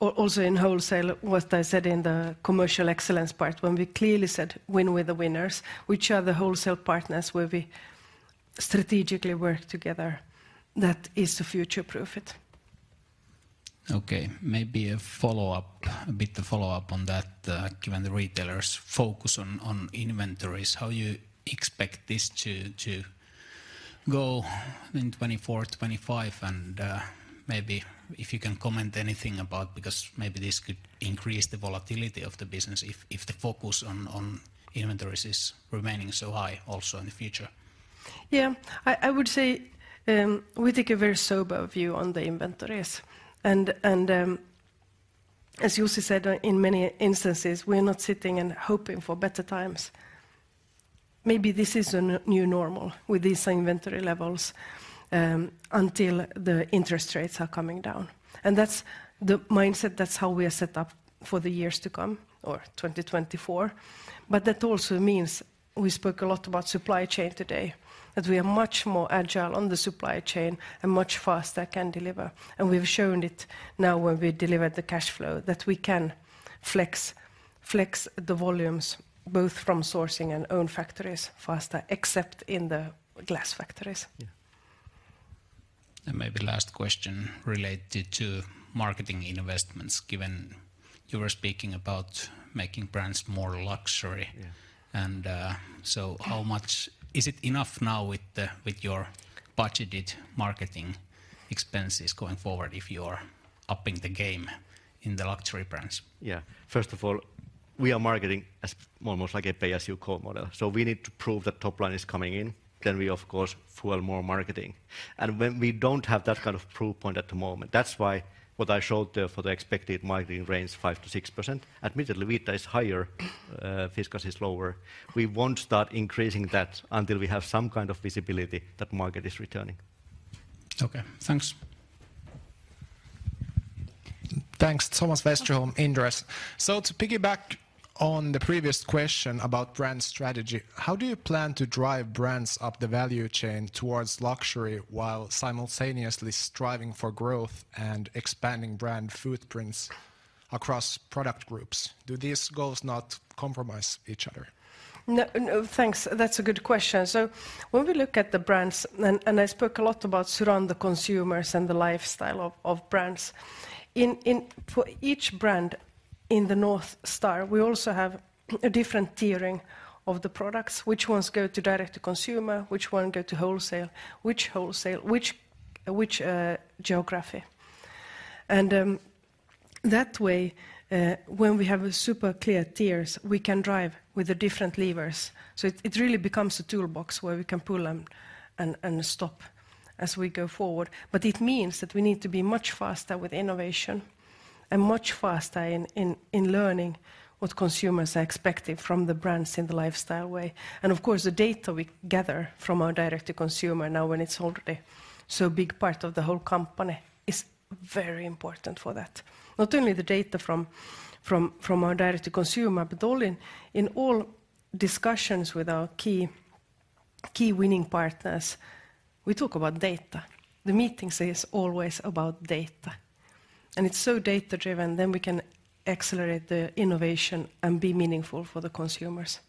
Also in wholesale, what I said in the commercial excellence part, when we clearly said, "Win with the winners," which are the wholesale partners where we strategically work together, that is to future-proof it. Okay, maybe a follow-up, a bit to follow up on that, given the retailers' focus on, on inventories, how you expect this to, to go in 2024, 2025? And, maybe if you can comment anything about... because maybe this could increase the volatility of the business if, if the focus on, on inventories is remaining so high also in the future. Yeah. I would say we take a very sober view on the inventories, and as Jussi said, in many instances, we're not sitting and hoping for better times. Maybe this is a new normal with these inventory levels, until the interest rates are coming down. And that's the mindset, that's how we are set up for the years to come, or 2024. But that also means we spoke a lot about supply chain today, that we are much more agile on the supply chain and much faster can deliver. And we've shown it now when we delivered the cash flow, that we can flex the volumes, both from sourcing and own factories faster, except in the glass factories. Yeah. Maybe last question related to marketing investments, given you were speaking about making brands more luxury? Yeah. So, how much is it enough now with the, with your budgeted marketing expenses going forward if you are upping the game in the luxury brands? Yeah. First of all, we are marketing as almost like a pay-as-you-go model. So we need to prove that top line is coming in, then we, of course, fuel more marketing. When we don't have that kind of proof point at the moment, that's why what I showed there for the expected marketing range, 5%-6%, admittedly, Vita is higher, Fiskars is lower. We won't start increasing that until we have some kind of visibility that market is returning. Okay, thanks. Thanks. Thomas Westerholm, Inderes. So to piggyback on the previous question about brand strategy, how do you plan to drive brands up the value chain towards luxury, while simultaneously striving for growth and expanding brand footprints across product groups? Do these goals not compromise each other? No, no, thanks. That's a good question. So when we look at the brands and I spoke a lot about surrounding the consumers and the lifestyle of brands. In the North Star, we also have a different tiering of the products, which ones go to direct to consumer, which one go to wholesale, which wholesale, which geography. And that way, when we have a super clear tiers, we can drive with the different levers. So it really becomes a toolbox where we can pull them and stop as we go forward. But it means that we need to be much faster with innovation and much faster in learning what consumers are expecting from the brands in the lifestyle way. And of course, the data we gather from our direct to consumer now, when it's already so big part of the whole company, is very important for that. Not only the data from our direct to consumer, but all in all discussions with our key winning partners, we talk about data. The meetings is always about data, and it's so data-driven, then we can accelerate the innovation and be meaningful for the consumers.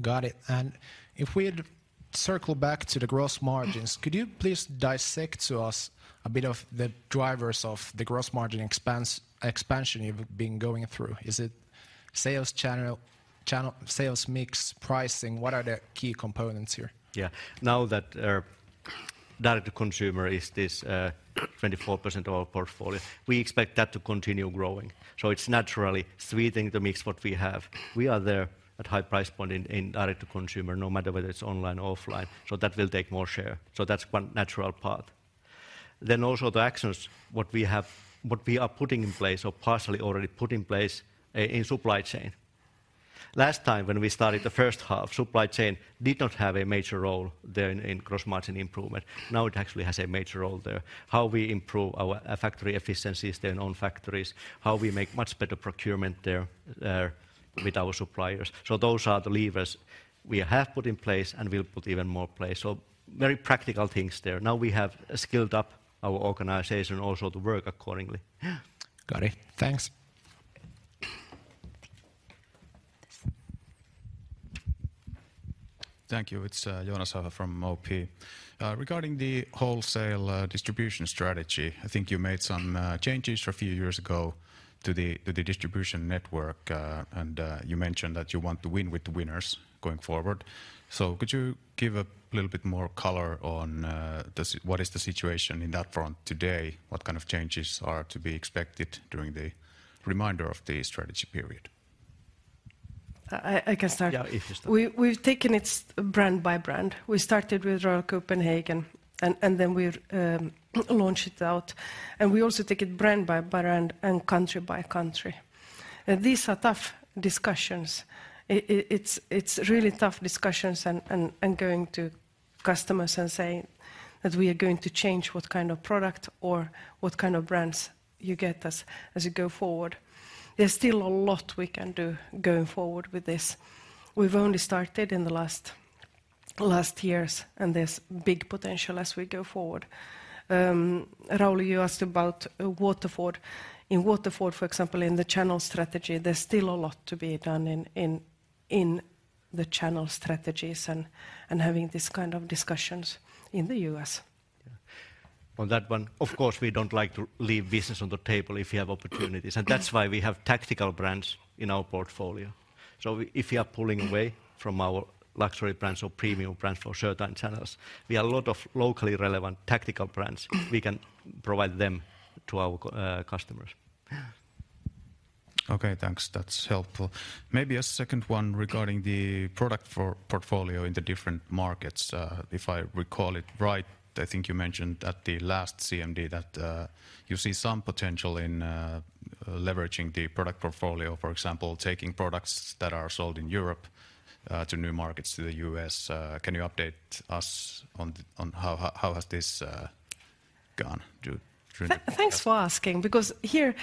Got it. And if we'd circle back to the gross margins, could you please dissect to us a bit of the drivers of the gross margin expansion you've been going through? Is it sales channel, sales mix, pricing? What are the key components here? Yeah. Now that direct to consumer is this 24% of our portfolio, we expect that to continue growing. So it's naturally sweetening the mix what we have. We are there at high price point in direct to consumer, no matter whether it's online or offline, so that will take more share. So that's one natural part. Then also the actions, what we have, what we are putting in place or partially already put in place in supply chain. Last time, when we started the first half, supply chain did not have a major role there in gross margin improvement. Now, it actually has a major role there. How we improve our factory efficiencies, their own factories, how we make much better procurement there with our suppliers. So those are the levers we have put in place, and we'll put even more in place. So very practical things there. Now, we have scaled up our organization also to work accordingly. Yeah. Got it. Thanks. Thank you. It's Joonas from OP. Regarding the wholesale distribution strategy, I think you made some changes a few years ago to the distribution network, and you mentioned that you want to win with the winners going forward. So could you give a little bit more color on the situation in that front today? What kind of changes are to be expected during the remainder of the strategy period? I can start. Yeah, if you start. We've taken it brand by brand. We started with Royal Copenhagen, and then we launched it out, and we also take it brand by brand and country by country. And these are tough discussions. It's really tough discussions and going to customers and saying that we are going to change what kind of product or what kind of brands you get as you go forward. There's still a lot we can do going forward with this. We've only started in the last years, and there's big potential as we go forward. Rauli, you asked about Waterford. In Waterford, for example, in the channel strategy, there's still a lot to be done in the channel strategies and having this kind of discussions in the US. On that one, of course, we don't like to leave business on the table if you have opportunities, and that's why we have Tactical brands in our portfolio. So if we are pulling away from our luxury brands or premium brands for certain channels, we have a lot of locally relevant Tactical brands. We can provide them to our customers. Yeah. Okay, thanks. That's helpful. Maybe a second one regarding the product for portfolio in the different markets. If I recall it right, I think you mentioned at the last CMD that you see some potential in leveraging the product portfolio, for example, taking products that are sold in Europe to new markets, to the US. Can you update us on how has this gone through? Thanks for asking, because here,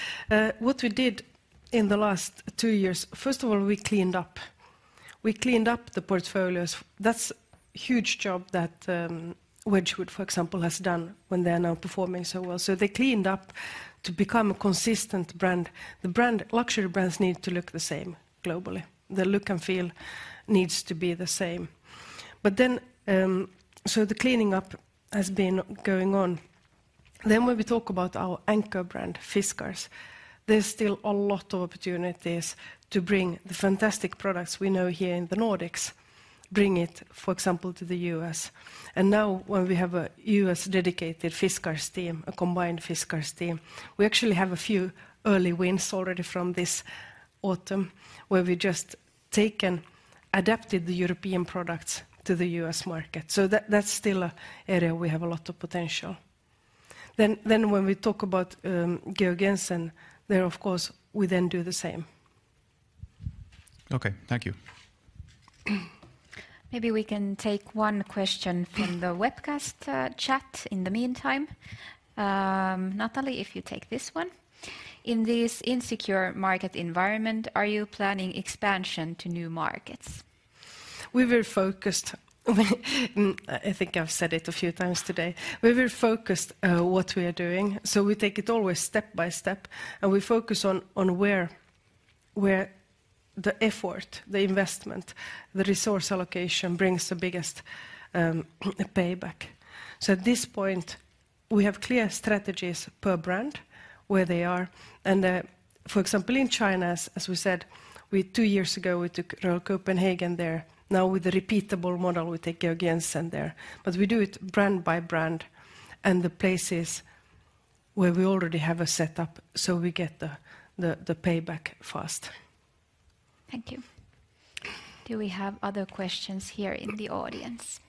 what we did in the last two years, first of all, we cleaned up. We cleaned up the portfolios. That's huge job that Wedgwood, for example, has done when they are now performing so well. So they cleaned up to become a consistent brand. The brand, luxury brands need to look the same globally. The look and feel needs to be the same. But then, so the cleaning up has been going on. Then when we talk about our anchor brand, Fiskars, there's still a lot of opportunities to bring the fantastic products we know here in the Nordics, bring it, for example, to the U.S. And now when we have a U.S. dedicated Fiskars team, a combined Fiskars team, we actually have a few early wins already from this autumn, where we just taken, adapted the European products to the U.S. market. So that's still an area we have a lot of potential. Then when we talk about Georg Jensen, there, of course, we then do the same. Okay, thank you. Maybe we can take one question from the webcast, chat in the meantime. Nathalie, if you take this one: In this insecure market environment, are you planning expansion to new markets? We're very focused. I think I've said it a few times today. We're very focused, what we are doing, so we take it always step by step, and we focus on where the effort, the investment, the resource allocation brings the biggest payback. So at this point, we have clear strategies per brand, where they are, and for example, in China, as we said, we two years ago, we took Royal Copenhagen there. Now, with the repeatable model, we take Georg Jensen there. But we do it brand by brand, and the places where we already have a setup, so we get the payback fast. Thank you. Do we have other questions here in the audience?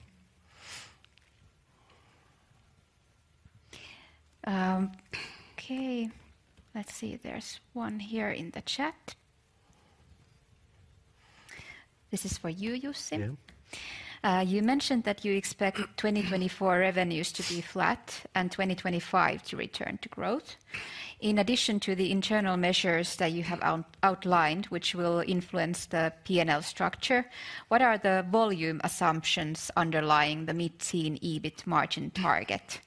Okay, let's see. There's one here in the chat. This is for you, Jussi. Yeah. You mentioned that you expect 2024 revenues to be flat and 2025 to return to growth. In addition to the internal measures that you have outlined, which will influence the P&L structure, what are the volume assumptions underlying the mid-teen EBIT margin target?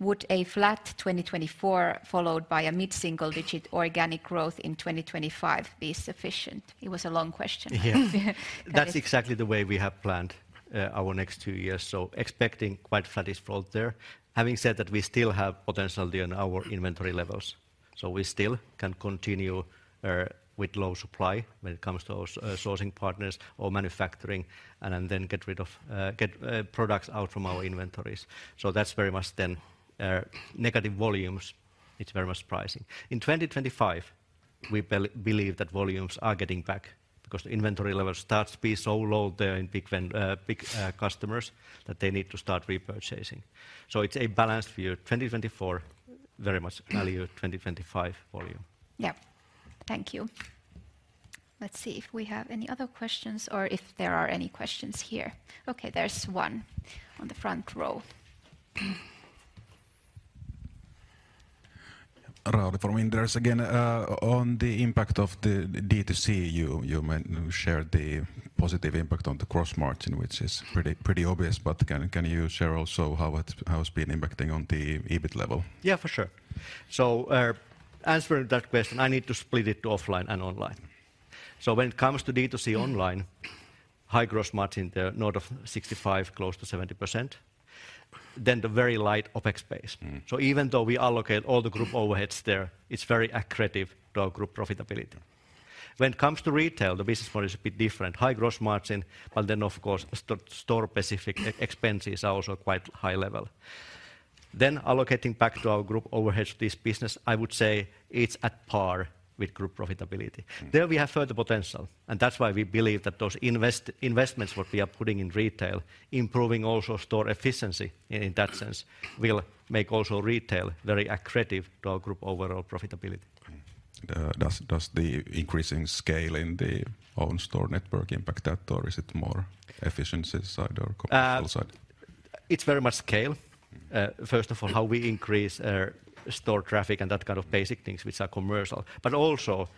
Would a flat 2024, followed by a mid-single-digit organic growth in 2025, be sufficient? It was a long question. Yeah. But- That's exactly the way we have planned our next two years, so expecting quite flattish growth there. Having said that, we still have potential there in our inventory levels, so we still can continue with low supply when it comes to our sourcing partners or manufacturing, and then get rid of products out from our inventories. So that's very much then negative volumes. It's very much pricing. In 2025, we believe that volumes are getting back because the inventory levels start to be so low there in big customers that they need to start repurchasing. So it's a balanced view. 2024, very much value. 2025, volume. Yeah. Thank you. Let's see if we have any other questions or if there are any questions here. Okay, there's one on the front row. Rauli from Inderes again. On the impact of the D2C, you shared the positive impact on the gross margin, which is pretty, pretty obvious, but can you share also how it, how it's been impacting on the EBIT level? Yeah, for sure. So, answering that question, I need to split it to offline and online. So when it comes to D2C online, high gross margin there, north of 65, close to 70%, then the very light OpEx base. So even though we allocate all the group overheads there, it's very accretive to our group profitability. When it comes to retail, the business model is a bit different. High gross margin, but then, of course, store-specific expenses are also quite high level. Then allocating back to our group overhead, this business, I would say, it's at par with group profitability. There, we have further potential, and that's why we believe that those investments what we are putting in retail, improving also store efficiency in that sense, will make also retail very accretive to our group overall profitability. Does the increase in scale in the own store network impact that, or is it more efficiency side or commercial side? It's very much scale. Mm-hmm. First of all, how we increase store traffic and that kind of basic things, which are commercial, but also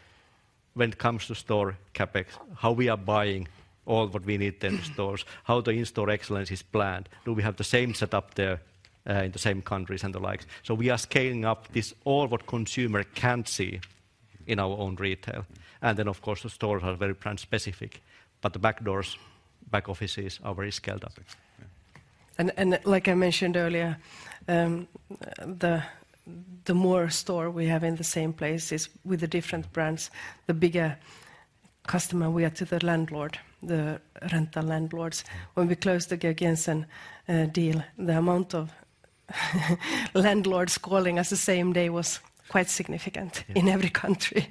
when it comes to store CapEx, how we are buying all what we need in the stores, how the in-store excellence is planned. Do we have the same setup there, in the same countries and the like? So we are scaling up this all what consumer can't see in our own retail, and then, of course, the stores are very brand-specific, but the back doors, back offices are very scaled up. Yeah. Like I mentioned earlier, the more store we have in the same places with the different brands, the bigger customer we are to the landlord, the rental landlords. When we closed the Georg Jensen deal, the amount of landlords calling us the same day was quite significant- Yeah... in every country.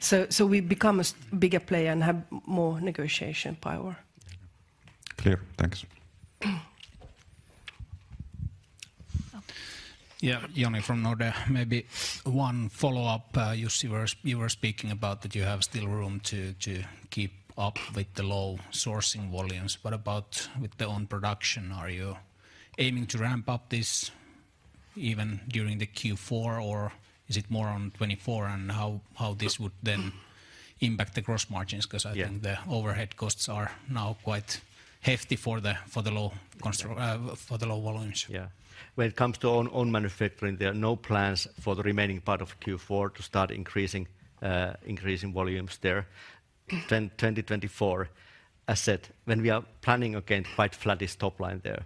So, we become a bigger player and have more negotiation power. Clear. Thanks. Yeah, Joni from Nordea. Maybe one follow-up, Jussi, where you were speaking about that you have still room to keep up with the low sourcing volumes. What about with the own production? Are you aiming to ramp up this even during the Q4, or is it more on 2024, and how this would then impact the gross margins? Yeah. Because I think the overhead costs are now quite hefty for the low volumes. Yeah. When it comes to own manufacturing, there are no plans for the remaining part of Q4 to start increasing volumes there. Then 2024, I said, when we are planning again, quite flattish top line there.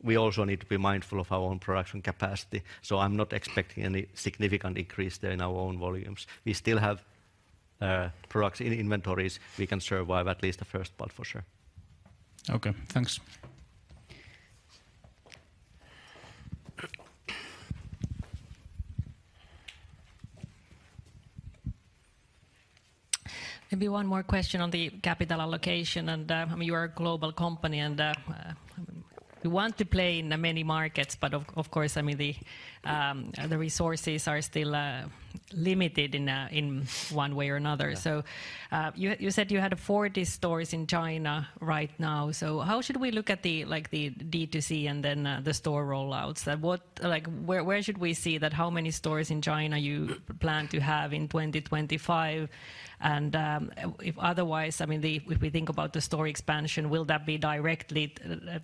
We also need to be mindful of our own production capacity, so I'm not expecting any significant increase there in our own volumes. We still have products in inventories. We can survive at least the first part, for sure. Okay, thanks. Maybe one more question on the capital allocation, and you are a global company, and we want to play in the many markets, but of course, I mean, the resources are still limited in one way or another. Yeah. So, you said you had 40 stores in China right now. So how should we look at, like, the D2C and then, the store rollouts? And like, where should we see that how many stores in China you plan to have in 2025? And, if otherwise, I mean, the... If we think about the store expansion, will that be directly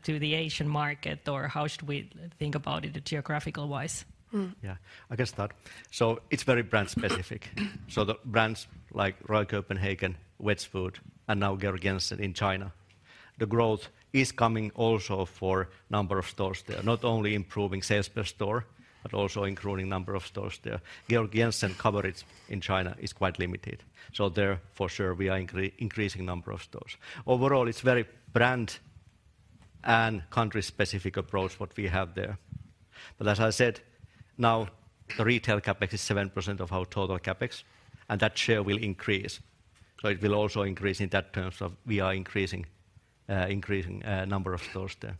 to the Asian market, or how should we think about it geographical-wise? Mm. Yeah, I can start. So it's very brand-specific. So the brands like Royal Copenhagen, Wedgwood, and now Georg Jensen in China, the growth is coming also for number of stores there. Not only improving sales per store, but also including number of stores there. Georg Jensen coverage in China is quite limited, so there, for sure, we are increasing number of stores. Overall, it's very brand and country-specific approach what we have there. But as I said, now the retail CapEx is 7% of our total CapEx, and that share will increase. So it will also increase in that terms of we are increasing number of stores there.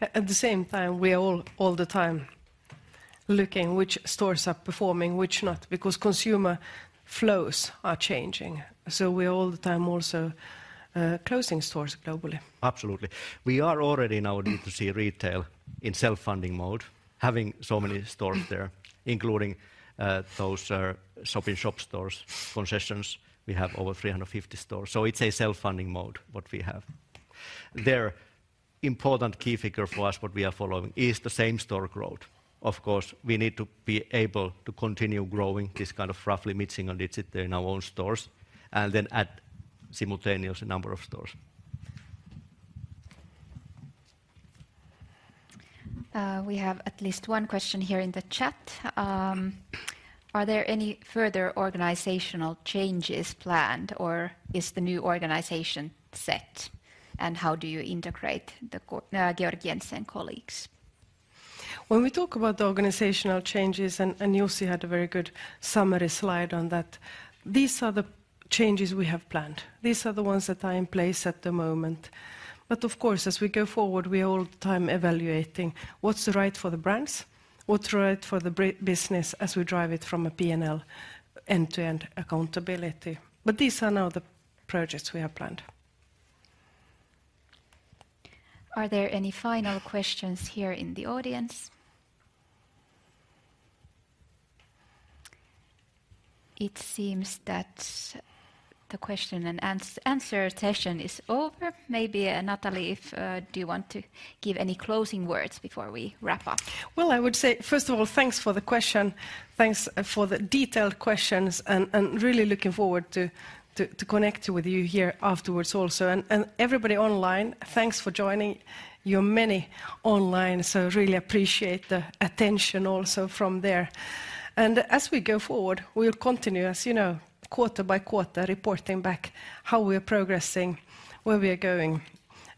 At the same time, we are all, all the time looking which stores are performing, which not, because consumer flows are changing. So we're all the time also closing stores globally. Absolutely. We are already in our D2C retail in self-funding mode, having so many stores there, including those shop-in-shop stores, concessions. We have over 350 stores, so it's a self-funding mode, what we have. There, important key figure for us, what we are following is the same-store growth. Of course, we need to be able to continue growing this kind of roughly mid-single digits there in our own stores and then add simultaneously number of stores. We have at least one question here in the chat. Are there any further organizational changes planned, or is the new organization set? And how do you integrate the Georg Jensen colleagues? When we talk about the organizational changes, and Jussi had a very good summary slide on that, these are the changes we have planned. These are the ones that are in place at the moment. But of course, as we go forward, we're all the time evaluating what's right for the brands, what's right for the business as we drive it from a P&L end-to-end accountability. But these are now the projects we have planned. Are there any final questions here in the audience? It seems that the question and answer session is over. Maybe, Nathalie, if, do you want to give any closing words before we wrap up? Well, I would say, first of all, thanks for the question, thanks for the detailed questions, and really looking forward to connect with you here afterwards also. And everybody online, thanks for joining. You're many online, so really appreciate the attention also from there. And as we go forward, we'll continue, as you know, quarter-by-quarter, reporting back how we are progressing, where we are going,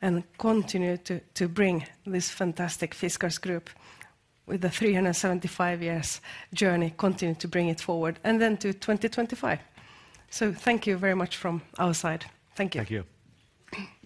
and continue to bring this fantastic Fiskars Group with a 375-year journey, continue to bring it forward, and then to 2025. So thank you very much from our side. Thank you. Thank you.